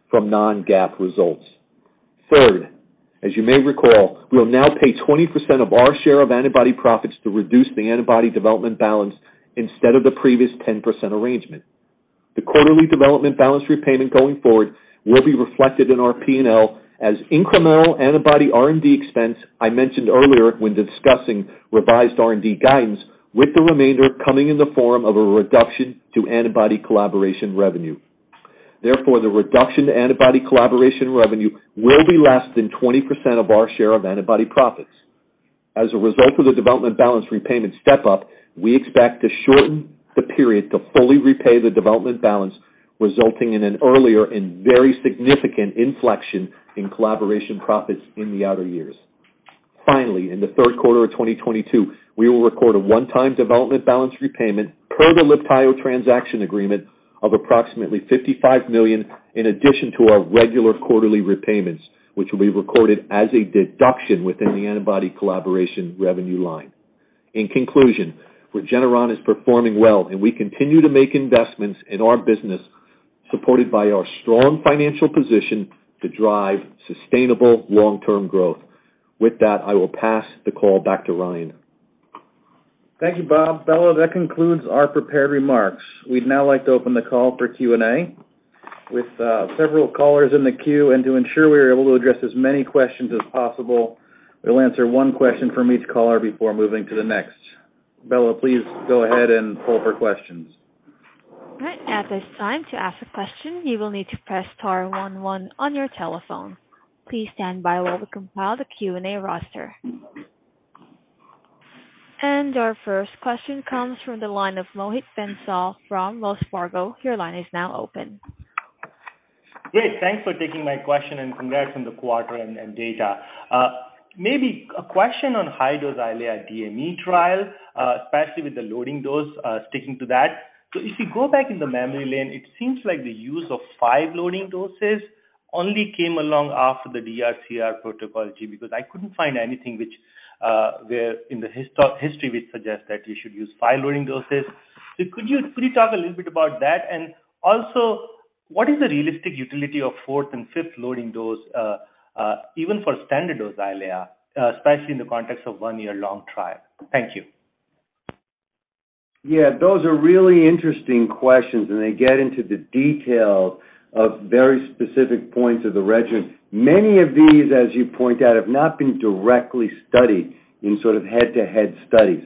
from non-GAAP results. Third, as you may recall, we will now pay 20% of our share of antibody profits to reduce the antibody development balance instead of the previous 10% arrangement. The quarterly development balance repayment going forward will be reflected in our P&L as incremental antibody R&D expense, I mentioned earlier when discussing revised R&D guidance, with the remainder coming in the form of a reduction to antibody collaboration revenue. Therefore, the reduction to antibody collaboration revenue will be less than 20% of our share of antibody profits. As a result of the development balance repayment step up, we expect to shorten the period to fully repay the development balance, resulting in an earlier and very significant inflection in collaboration profits in the outer years. Finally, in the third quarter of 2022, we will record a one-time development balance repayment per the LIBTAYO transaction agreement of approximately $55 million, in addition to our regular quarterly repayments, which will be recorded as a deduction within the antibody collaboration revenue line. In conclusion, Regeneron is performing well, and we continue to make investments in our business, supported by our strong financial position to drive sustainable long-term growth. With that, I will pass the call back to Ryan. Thank you, Bob. Bella, that concludes our prepared remarks. We'd now like to open the call for Q&A. With several callers in the queue and to ensure we are able to address as many questions as possible, we'll answer one question from each caller before moving to the next. Bella, please go ahead and poll for questions. All right. At this time, to ask a question, you will need to press star one one on your telephone. Please stand by while we compile the Q&A roster. Our first question comes from the line of Mohit Bansal from Wells Fargo. Your line is now open. Great. Thanks for taking my question and congrats on the quarter and data. Maybe a question on high-dose EYLEA DME trial, especially with the loading dose, sticking to that. If you go back in the memory lane, it seems like the use of five loading doses only came along after the DRCR protocol, because I couldn't find anything which where in the history which suggests that you should use five loading doses. Could you talk a little bit about that? Also, what is the realistic utility of fourth and fifth loading dose, even for standard dose EYLEA, especially in the context of one-year long trial? Thank you. Yeah, those are really interesting questions, and they get into the detail of very specific points of the regimen. Many of these, as you point out, have not been directly studied in sort of head-to-head studies.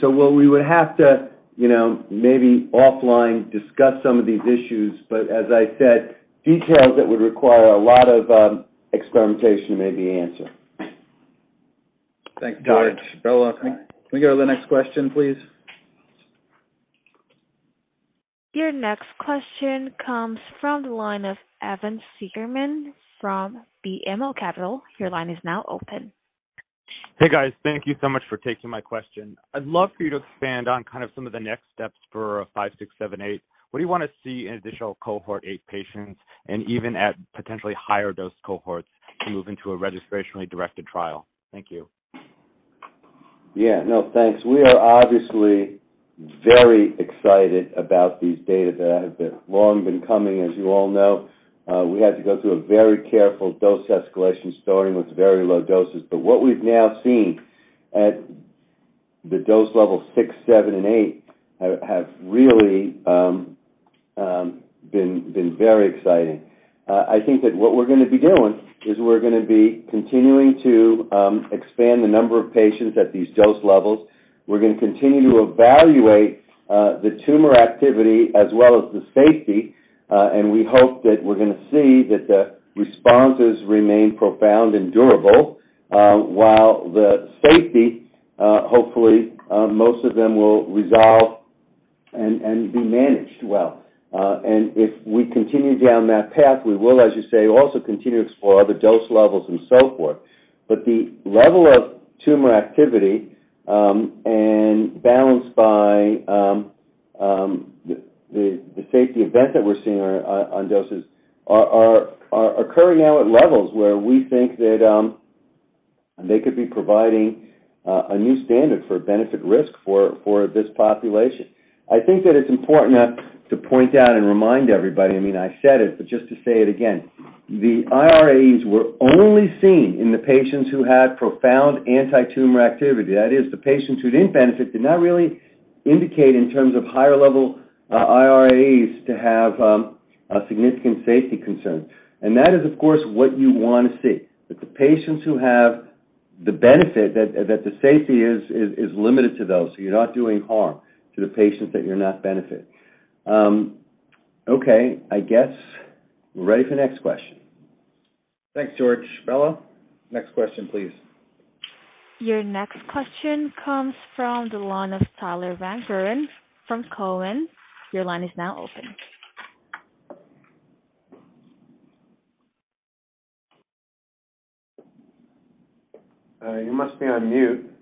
What we would have to, you know, maybe offline discuss some of these issues, but as I said, details that would require a lot of experimentation to maybe answer. Thanks, George. Bella, can we go to the next question, please? Your next question comes from the line of Evan Seigerman from BMO Capital. Your line is now open. Hey, guys. Thank you so much for taking my question. I'd love for you to expand on kind of some of the next steps for REGN5678. What do you wanna see in additional cohort 8 patients and even at potentially higher dose cohorts to move into a registrationally directed trial? Thank you. Yeah. No, thanks. We are obviously very excited about these data that have long been coming, as you all know. We had to go through a very careful dose escalation starting with very low doses. What we've now seen at the dose level 6, 7, and 8 have really been very exciting. I think that what we're gonna be doing is we're gonna be continuing to expand the number of patients at these dose levels. We're gonna continue to evaluate the tumor activity as well as the safety, and we hope that we're gonna see that the responses remain profound and durable, while the safety hopefully most of them will resolve and be managed well. If we continue down that path, we will, as you say, also continue to explore other dose levels and so forth. The level of tumor activity, and balanced by, the safety event that we're seeing on doses are occurring now at levels where we think that they could be providing a new standard for benefit risk for this population. I think that it's important to point out and remind everybody, I mean, I said it, but just to say it again, the irAEs were only seen in the patients who had profound antitumor activity. That is, the patients who didn't benefit did not really indicate in terms of higher level irAEs to have a significant safety concern. That is, of course, what you wanna see. That the patients who have the benefit that the safety is limited to those, so you're not doing harm to the patients that you're not benefiting. Okay, I guess we're ready for the next question. Thanks, George. Bella, next question, please. Your next question comes from the line of Tyler Van Buren from Cowen. Your line is now open. You must be on mute.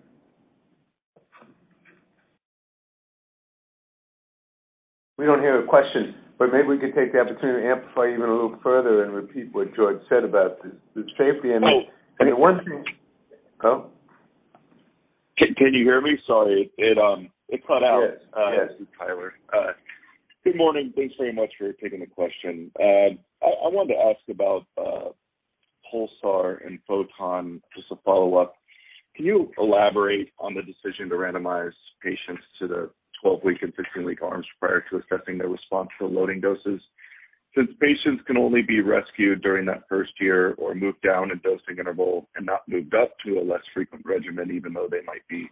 We don't hear a question, but maybe we could take the opportunity to amplify even a little further and repeat what George said about the safety and... Oh. I mean the one. Huh? Can you hear me? Sorry. It cut out. Yes. Yes. This is Tyler. Good morning. Thanks very much for taking the question. I wanted to ask about PULSAR and PHOTON, just a follow-up. Can you elaborate on the decision to randomize patients to the 12-week and 15-week arms prior to assessing their response for loading doses? Since patients can only be rescued during that first year or moved down a dosing interval and not moved up to a less frequent regimen, even though they might be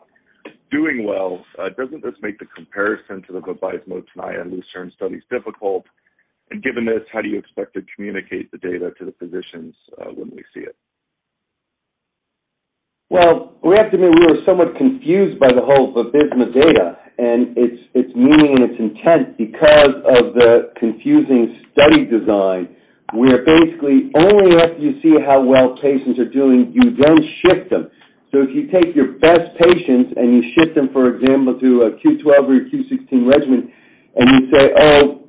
doing well, doesn't this make the comparison to the VABYSMO, TENAYA, LUCERNE studies difficult? Given this, how do you expect to communicate the data to the physicians when we see it? Well, we have to admit, we were somewhat confused by the whole VABYSMO data and its meaning and its intent because of the confusing study design, where basically only after you see how well patients are doing, you then shift them. If you take your best patients and you shift them, for example, to a Q-12 or Q-16 regimen, and you say, "Oh,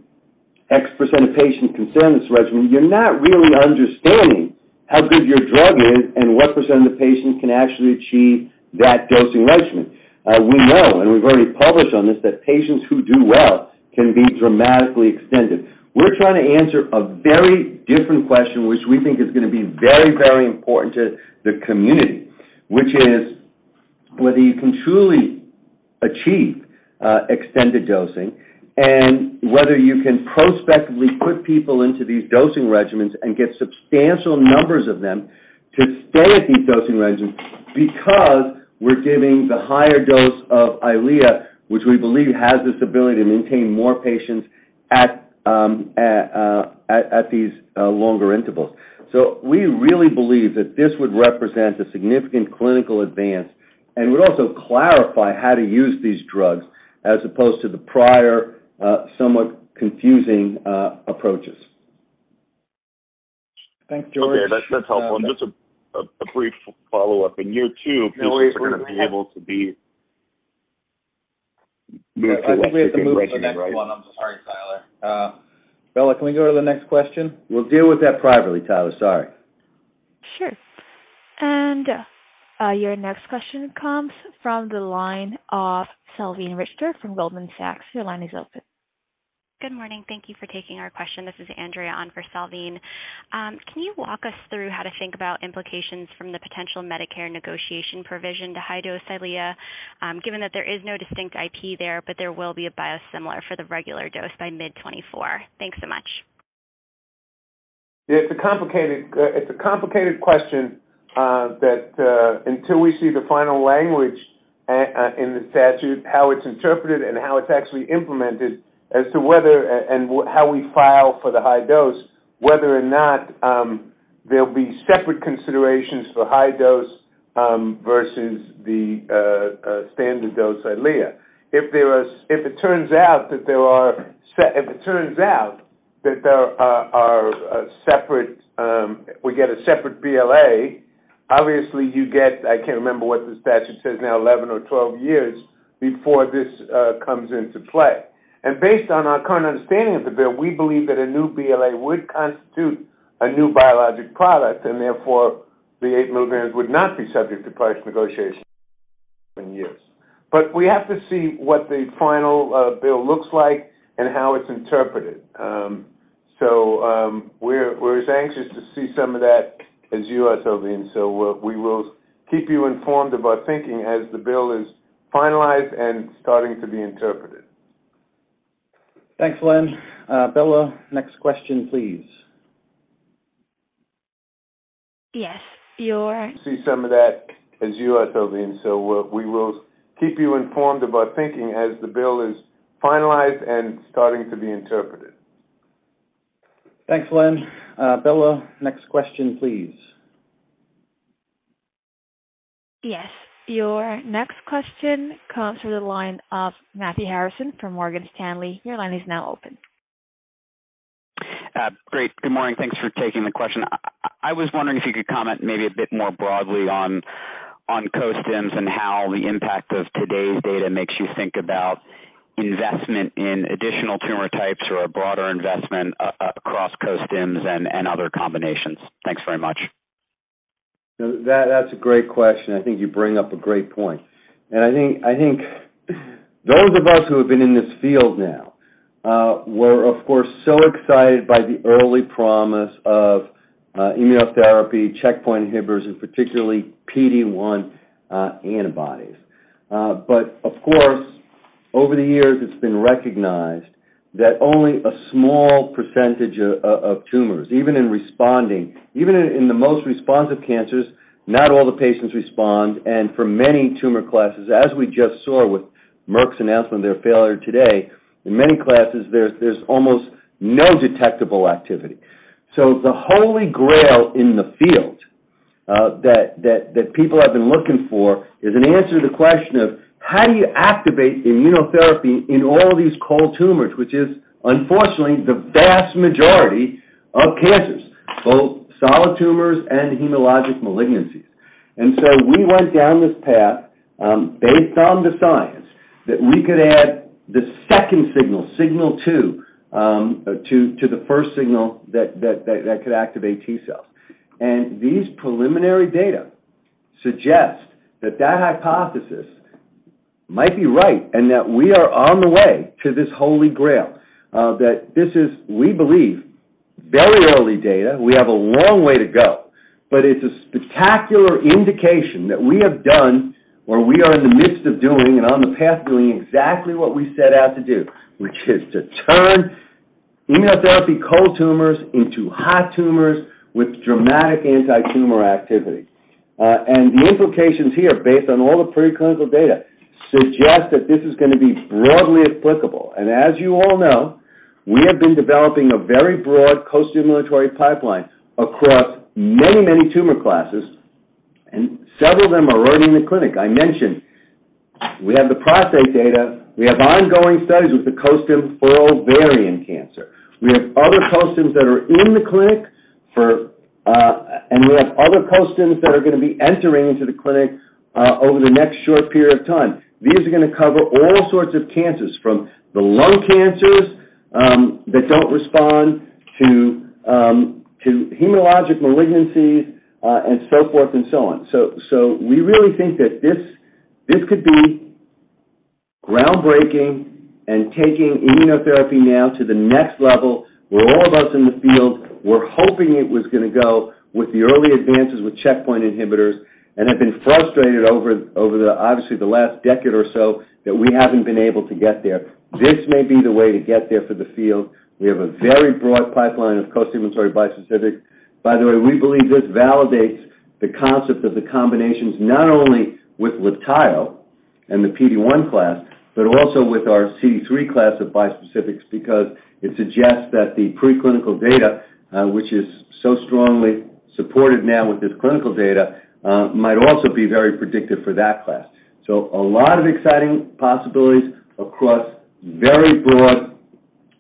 X% of patients can stay on this regimen," you're not really understanding how good your drug is and what % of the patients can actually achieve that dosing regimen. We know, and we've already published on this, that patients who do well can be dramatically extended. We're trying to answer a very different question, which we think is gonna be very, very important to the community, which is whether you can truly achieve extended dosing and whether you can prospectively put people into these dosing regimens and get substantial numbers of them to stay at these dosing regimens because we're giving the higher dose of EYLEA, which we believe has this ability to maintain more patients at these longer intervals. We really believe that this would represent a significant clinical advance and would also clarify how to use these drugs as opposed to the prior somewhat confusing approaches. Thanks, George. Okay, that's helpful. Just a brief follow-up. In year two, patients are gonna be able to be... I think we have to move to the next one. I'm sorry, Tyler. Bella, can we go to the next question? We'll deal with that privately, Tyler. Sorry. Sure. Your next question comes from the line of Salveen Richter from Goldman Sachs. Your line is open. Good morning. Thank you for taking our question. This is Andrea on for Salveen. Can you walk us through how to think about implications from the potential Medicare negotiation provision to high-dose EYLEA, given that there is no distinct IP there, but there will be a biosimilar for the regular dose by mid-2024? Thanks so much. It's a complicated question that until we see the final language in the statute, how it's interpreted and how it's actually implemented as to whether and how we file for the high dose, whether or not there'll be separate considerations for high dose versus the standard dose EYLEA. If it turns out that there are separate, we get a separate BLA, obviously you get, I can't remember what the statute says now, 11 or 12 years before this comes into play. Based on our current understanding of the bill, we believe that a new BLA would constitute a new biologic product, and therefore, the 8 mg would not be subject to price negotiation in years. We have to see what the final bill looks like and how it's interpreted. We're as anxious to see some of that as you are, Salveen, so we will keep you informed of our thinking as the bill is finalized and starting to be interpreted. Thanks, Len. Bella, next question, please. Yes. See some of that as you are, Salveen, so we will keep you informed of our thinking as the bill is finalized and starting to be interpreted. Thanks, Len. Bella, next question, please. Yes. Your next question comes from the line of Matthew Harrison from Morgan Stanley. Your line is now open. Great. Good morning. Thanks for taking the question. I was wondering if you could comment maybe a bit more broadly on costims and how the impact of today's data makes you think about investment in additional tumor types or a broader investment across costims and other combinations. Thanks very much. That's a great question. I think you bring up a great point. I think those of us who have been in this field now were, of course, so excited by the early promise of immunotherapy checkpoint inhibitors, and particularly PD-1 antibodies. Of course, over the years, it's been recognized that only a small percentage of tumors, even in responding, even in the most responsive cancers, not all the patients respond. For many tumor classes, as we just saw with Merck's announcement of their failure today, in many classes, there's almost no detectable activity. The holy grail in the field that people have been looking for is an answer to the question of how do you activate immunotherapy in all these cold tumors, which is unfortunately the vast majority of cancers, both solid tumors and hematologic malignancies. We went down this path, based on the science that we could add the second signal two, to the first signal that could activate T-cells. These preliminary data suggest that that hypothesis might be right and that we are on the way to this holy grail, that this is, we believe, very early data. We have a long way to go, but it's a spectacular indication that we have done or we are in the midst of doing and on the path to doing exactly what we set out to do, which is to turn immunotherapy cold tumors into hot tumors with dramatic anti-tumor activity. The implications here, based on all the preclinical data, suggest that this is gonna be broadly applicable. As you all know, we have been developing a very broad costimulatory pipeline across many, many tumor classes, and several of them are already in the clinic. I mentioned we have the prostate data, we have ongoing studies with the costim for ovarian cancer. We have other costims that are in the clinic. We have other costims that are gonna be entering into the clinic over the next short period of time. These are gonna cover all sorts of cancers, from the lung cancers that don't respond to hematologic malignancies, and so forth and so on. We really think that this could be groundbreaking and taking immunotherapy now to the next level, where all of us in the field were hoping it was gonna go with the early advances with checkpoint inhibitors and have been frustrated, obviously, over the last decade or so that we haven't been able to get there. This may be the way to get there for the field. We have a very broad pipeline of costimulatory bispecific. By the way, we believe this validates the concept of the combinations, not only with LIBTAYO and the PD-1 class, but also with our CD3 class of bispecifics because it suggests that the preclinical data, which is so strongly supported now with this clinical data, might also be very predictive for that class. A lot of exciting possibilities across very broad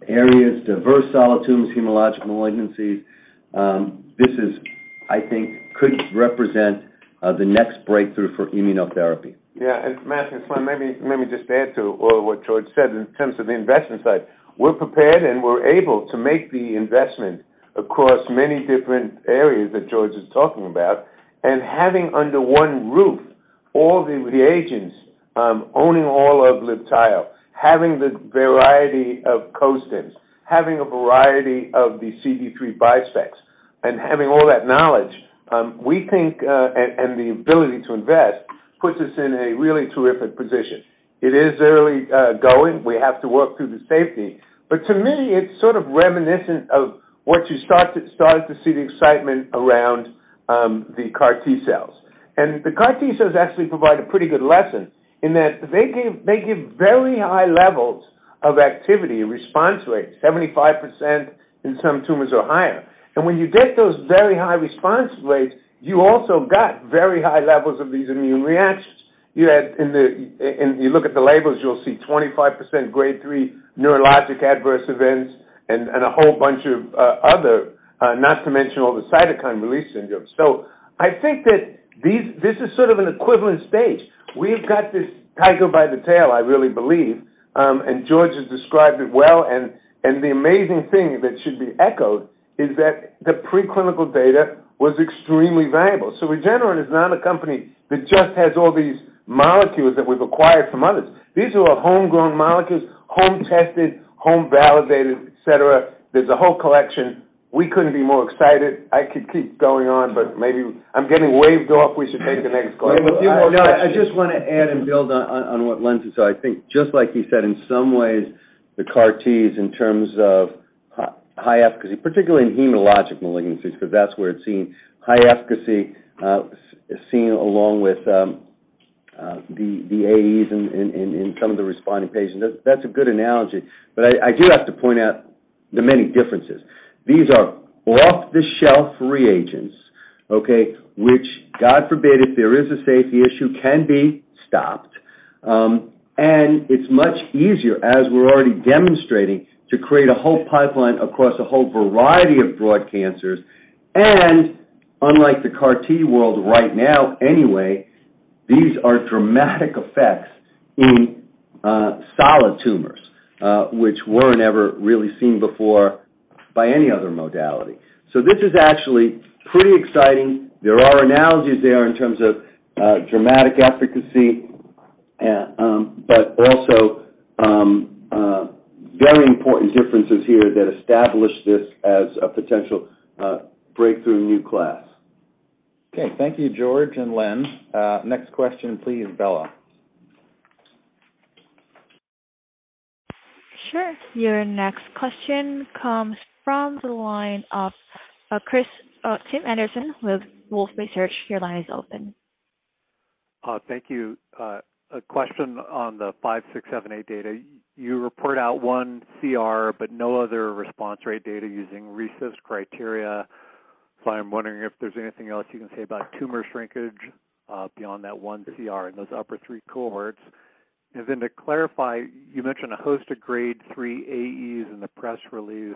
areas, diverse solid tumors, hematologic malignancies. This is, I think, could represent the next breakthrough for immunotherapy. Yeah. Matthew, if I may, let me just add to what George said in terms of the investment side. We're prepared, and we're able to make the investment across many different areas that George is talking about. Having under one roof all the reagents, owning all of LIBTAYO, having the variety of costims, having a variety of the CD3 bispecifics, and having all that knowledge, we think, and the ability to invest puts us in a really terrific position. It is early going. We have to work through the safety. To me, it's sort of reminiscent of once you start to see the excitement around the CAR T-cells. The CAR T-cells actually provide a pretty good lesson in that they give very high levels of activity and response rates, 75% in some tumors or higher. When you get those very high response rates, you also got very high levels of these immune reactions. You look at the labels, you'll see 25% Grade 3 neurologic adverse events and a whole bunch of other, not to mention all the cytokine release syndrome. I think that this is sort of an equivalent stage. We've got this tiger by the tail, I really believe, and George has described it well. The amazing thing that should be echoed is that the preclinical data was extremely valuable. Regeneron is not a company that just has all these molecules that we've acquired from others. These are our homegrown molecules, home-tested, home-validated, et cetera. There's a whole collection. We couldn't be more excited. I could keep going on, but maybe I'm getting waved off. We should take the next question. Well, no, I just wanna add and build on what Len just said. I think just like you said, in some ways, the CAR Ts in terms of high efficacy, particularly in hematologic malignancies, because that's where it's seen, high efficacy is seen along with the AEs in some of the responding patients. That's a good analogy. I do have to point out the many differences. These are off-the-shelf reagents, okay? Which, God forbid, if there is a safety issue, can be stopped. It's much easier, as we're already demonstrating, to create a whole pipeline across a whole variety of broad cancers. Unlike the CAR T world right now anyway, these are dramatic effects in solid tumors, which were never really seen before by any other modality. This is actually pretty exciting. There are analogies there in terms of dramatic efficacy, but also very important differences here that establish this as a potential breakthrough new class. Okay. Thank you, George and Len. Next question, please, Bella. Sure. Your next question comes from the line of Tim Anderson with Wolfe Research. Your line is open. Thank you. A question on the REGN5678 data. You report out one CR but no other response rate data using RECIST criteria. I'm wondering if there's anything else you can say about tumor shrinkage, beyond that one CR in those upper 3 cohorts. To clarify, you mentioned a host of Grade 3 AEs in the press release.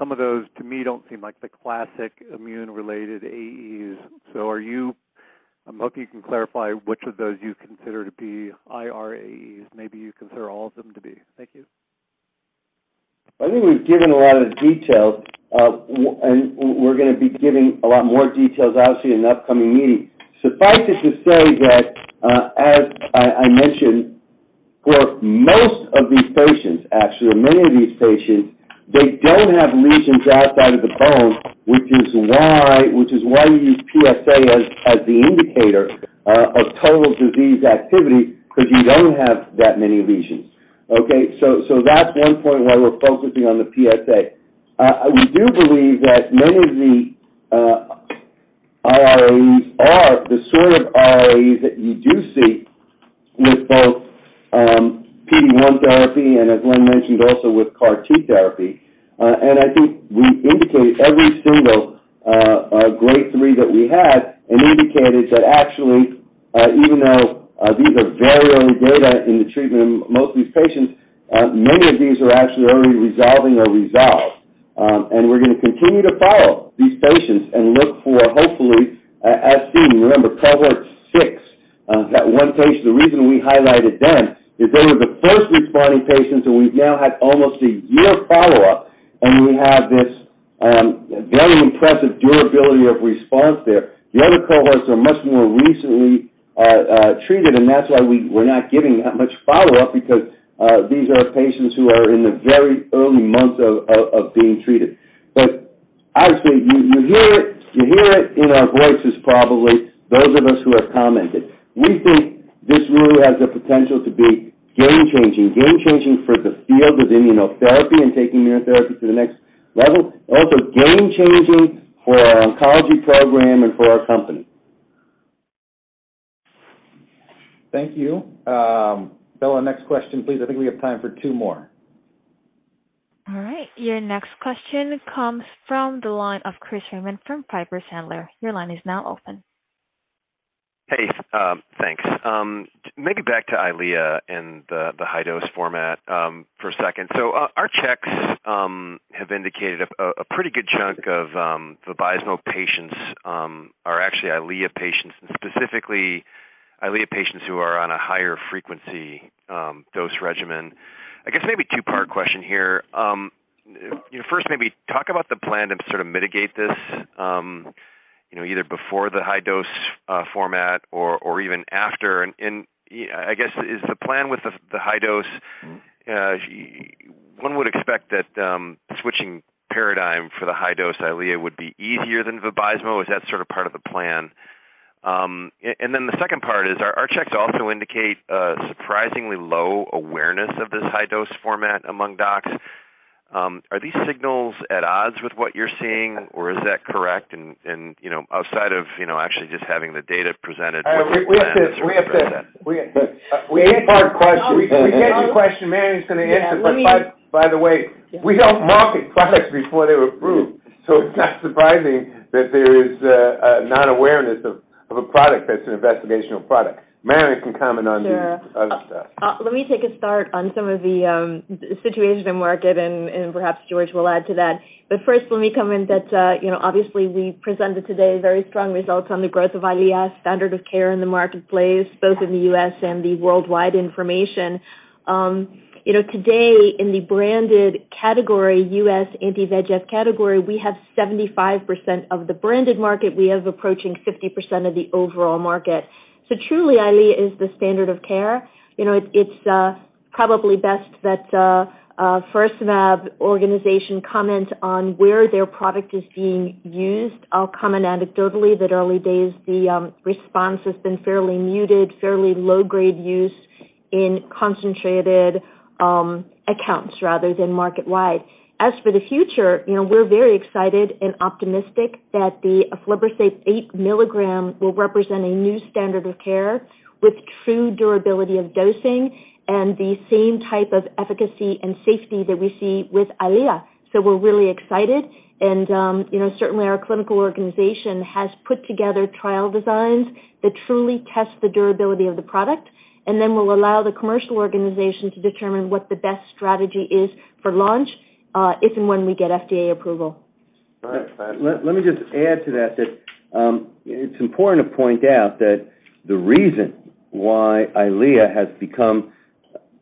Some of those to me don't seem like the classic immune-related AEs. Are you... I'm hoping you can clarify which of those you consider to be irAEs. Maybe you consider all of them to be. Thank you. I think we've given a lot of the details. We're gonna be giving a lot more details, obviously, in the upcoming meeting. Suffice it to say that, as I mentioned, for most of these patients, actually many of these patients, they don't have lesions outside of the bone, which is why you use PSA as the indicator of total disease activity because you don't have that many lesions. That's one point why we're focusing on the PSA. We do believe that many of the irAEs are the sort of irAEs that you do see with both PD-1 therapy and as Len mentioned, also with CAR T therapy. I think we indicated every single grade three that we had and indicated that actually, even though these are very early data in the treatment of most of these patients, many of these are actually already resolving or resolved. We're gonna continue to follow these patients and look for, hopefully, as seen, remember cohort six, that one patient, the reason we highlighted them is they were the first responding patients, and we've now had almost a year follow-up, and we have this very impressive durability of response there. The other cohorts are much more recently treated, and that's why we're not giving that much follow-up because these are patients who are in the very early months of being treated. Obviously, you hear it in our voices, probably those of us who have commented. We think this really has the potential to be game changing for the field of immunotherapy and taking immunotherapy to the next level, also game changing for our oncology program and for our company. Thank you. Bella, next question, please. I think we have time for two more. All right. Your next question comes from the line of Chris Raymond from Piper Sandler. Your line is now open. Hey, thanks. Maybe back to EYLEA and the high-dose format for a second. Our checks have indicated a pretty good chunk of VABYSMO patients are actually EYLEA patients and specifically EYLEA patients who are on a higher frequency dose regimen. I guess maybe two-part question here. First, maybe talk about the plan to sort of mitigate this, you know, either before the high dose format or even after. I guess, is the plan with the high dose. One would expect that switching paradigm for the high-dose EYLEA would be easier than VABYSMO. Is that sort of part of the plan? The second part is our checks also indicate a surprisingly low awareness of this high-dose format among docs. Are these signals at odds with what you're seeing or is that correct? You know, outside of, you know, actually just having the data presented We get your question. Marion's gonna answer. By the way, we don't market products before they're approved, so it's not surprising that there is a non-awareness of a product that's an investigational product. Marion can comment on the other stuff. Sure. Let me take a stab at some of the situation in the market and perhaps George will add to that. First let me comment that you know, obviously we presented today very strong results on the growth of EYLEA, standard of care in the marketplace, both in the U.S. and worldwide. You know, today in the branded category, U.S. anti-VEGF category, we have 75% of the branded market. We have approaching 50% of the overall market. Truly, EYLEA is the standard of care. You know, it's probably best that first NAB organization comment on where their product is being used. I'll comment anecdotally that in the early days the response has been fairly muted, fairly low-grade use in concentrated accounts rather than market-wide. As for the future, you know, we're very excited and optimistic that the aflibercept 8 mg will represent a new standard of care with true durability of dosing and the same type of efficacy and safety that we see with EYLEA. We're really excited and, you know, certainly our clinical organization has put together trial designs that truly test the durability of the product and then will allow the commercial organization to determine what the best strategy is for launch, if and when we get FDA approval. Let me just add to that, it's important to point out that the reason why EYLEA has become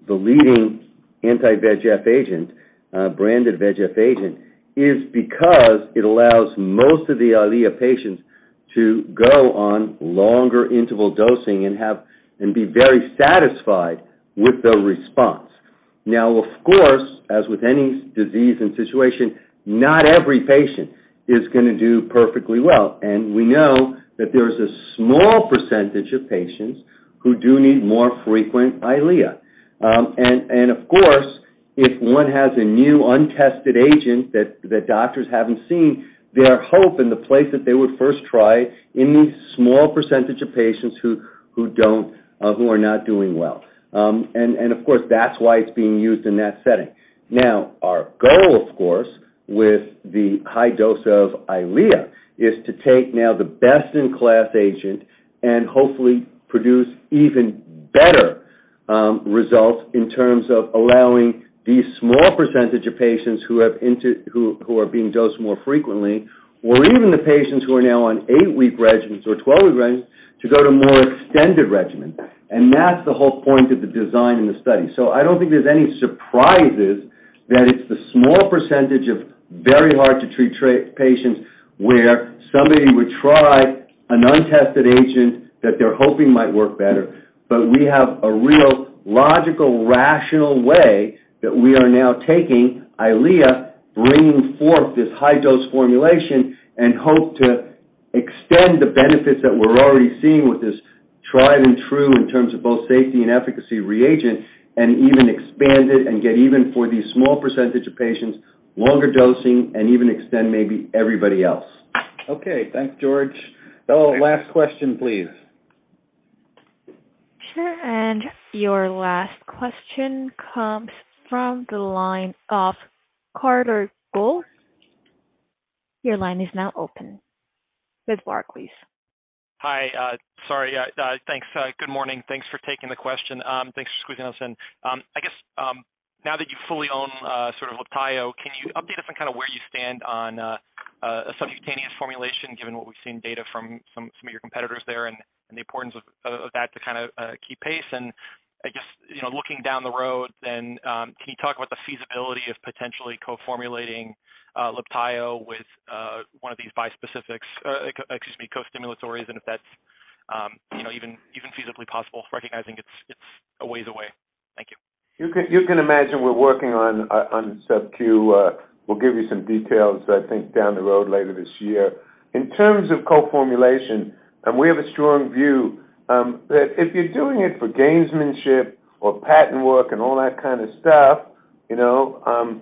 the leading anti-VEGF agent, branded VEGF agent, is because it allows most of the EYLEA patients to go on longer interval dosing and have and be very satisfied with the response. Now, of course, as with any disease and situation, not every patient is gonna do perfectly well. We know that there's a small percentage of patients who do need more frequent EYLEA. Of course, if one has a new untested agent that doctors haven't seen, their hope is the place that they would first try in these small percentage of patients who are not doing well. Of course, that's why it's being used in that setting. Now our goal, of course, with the high dose of EYLEA is to take now the best in class agent and hopefully produce even better results in terms of allowing these small percentage of patients who are being dosed more frequently, or even the patients who are now on eight-week regimens or 12-week regimens to go to more extended regimen. That's the whole point of the design in the study. I don't think there's any surprises that it's the small percentage of very hard to treat patients where somebody would try an untested agent that they're hoping might work better. We have a real logical, rational way that we are now taking EYLEA, bringing forth this high dose formulation and hope to extend the benefits that we're already seeing with this tried and true in terms of both safety and efficacy regimen, and even expand it and get even longer dosing for the small percentage of patients and even extend maybe everybody else. Okay. Thanks, George. Oh, last question, please. Sure. Your last question comes from the line of Carter Gould. Your line is now open. With Barclays. Hi. Sorry, thanks. Good morning. Thanks for taking the question. Thanks for squeezing us in. I guess, now that you fully own sort of LIBTAYO, can you update us on kinda where you stand on a subcutaneous formulation, given what we've seen data from some of your competitors there, and the importance of that to kinda keep pace? I guess, you know, looking down the road then, can you talk about the feasibility of potentially co-formulating LIBTAYO with one of these bispecifics, excuse me, costimulatory, and if that's, you know, even feasibly possible, recognizing it's a ways away. Thank you. You can imagine we're working on subQ. We'll give you some details I think down the road later this year. In terms of co-formulation, we have a strong view that if you're doing it for gamesmanship or patent work and all that kind of stuff, you know,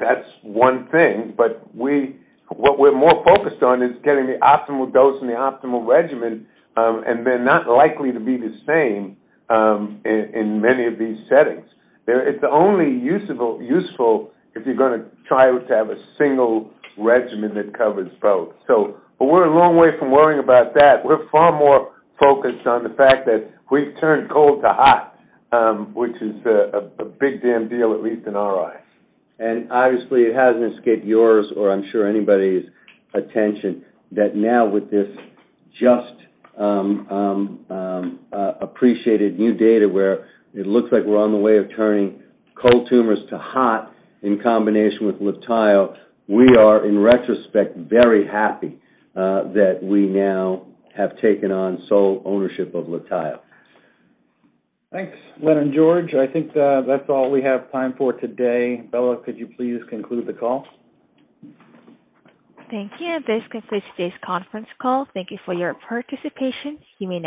that's one thing. What we're more focused on is getting the optimal dose and the optimal regimen, and they're not likely to be the same in many of these settings. It's only useful if you're gonna try to have a single regimen that covers both. We're a long way from worrying about that. We're far more focused on the fact that we've turned cold to hot, which is a big damn deal, at least in our eyes. Obviously, it hasn't escaped yours, or I'm sure anybody's attention that now with this just appreciated new data where it looks like we're on the way of turning cold tumors to hot in combination with LIBTAYO, we are in retrospect very happy that we now have taken on sole ownership of LIBTAYO. Thanks, Len and George. I think, that's all we have time for today. Bella, could you please conclude the call? Thank you. This concludes today's conference call. Thank you for your participation. You may now disconnect.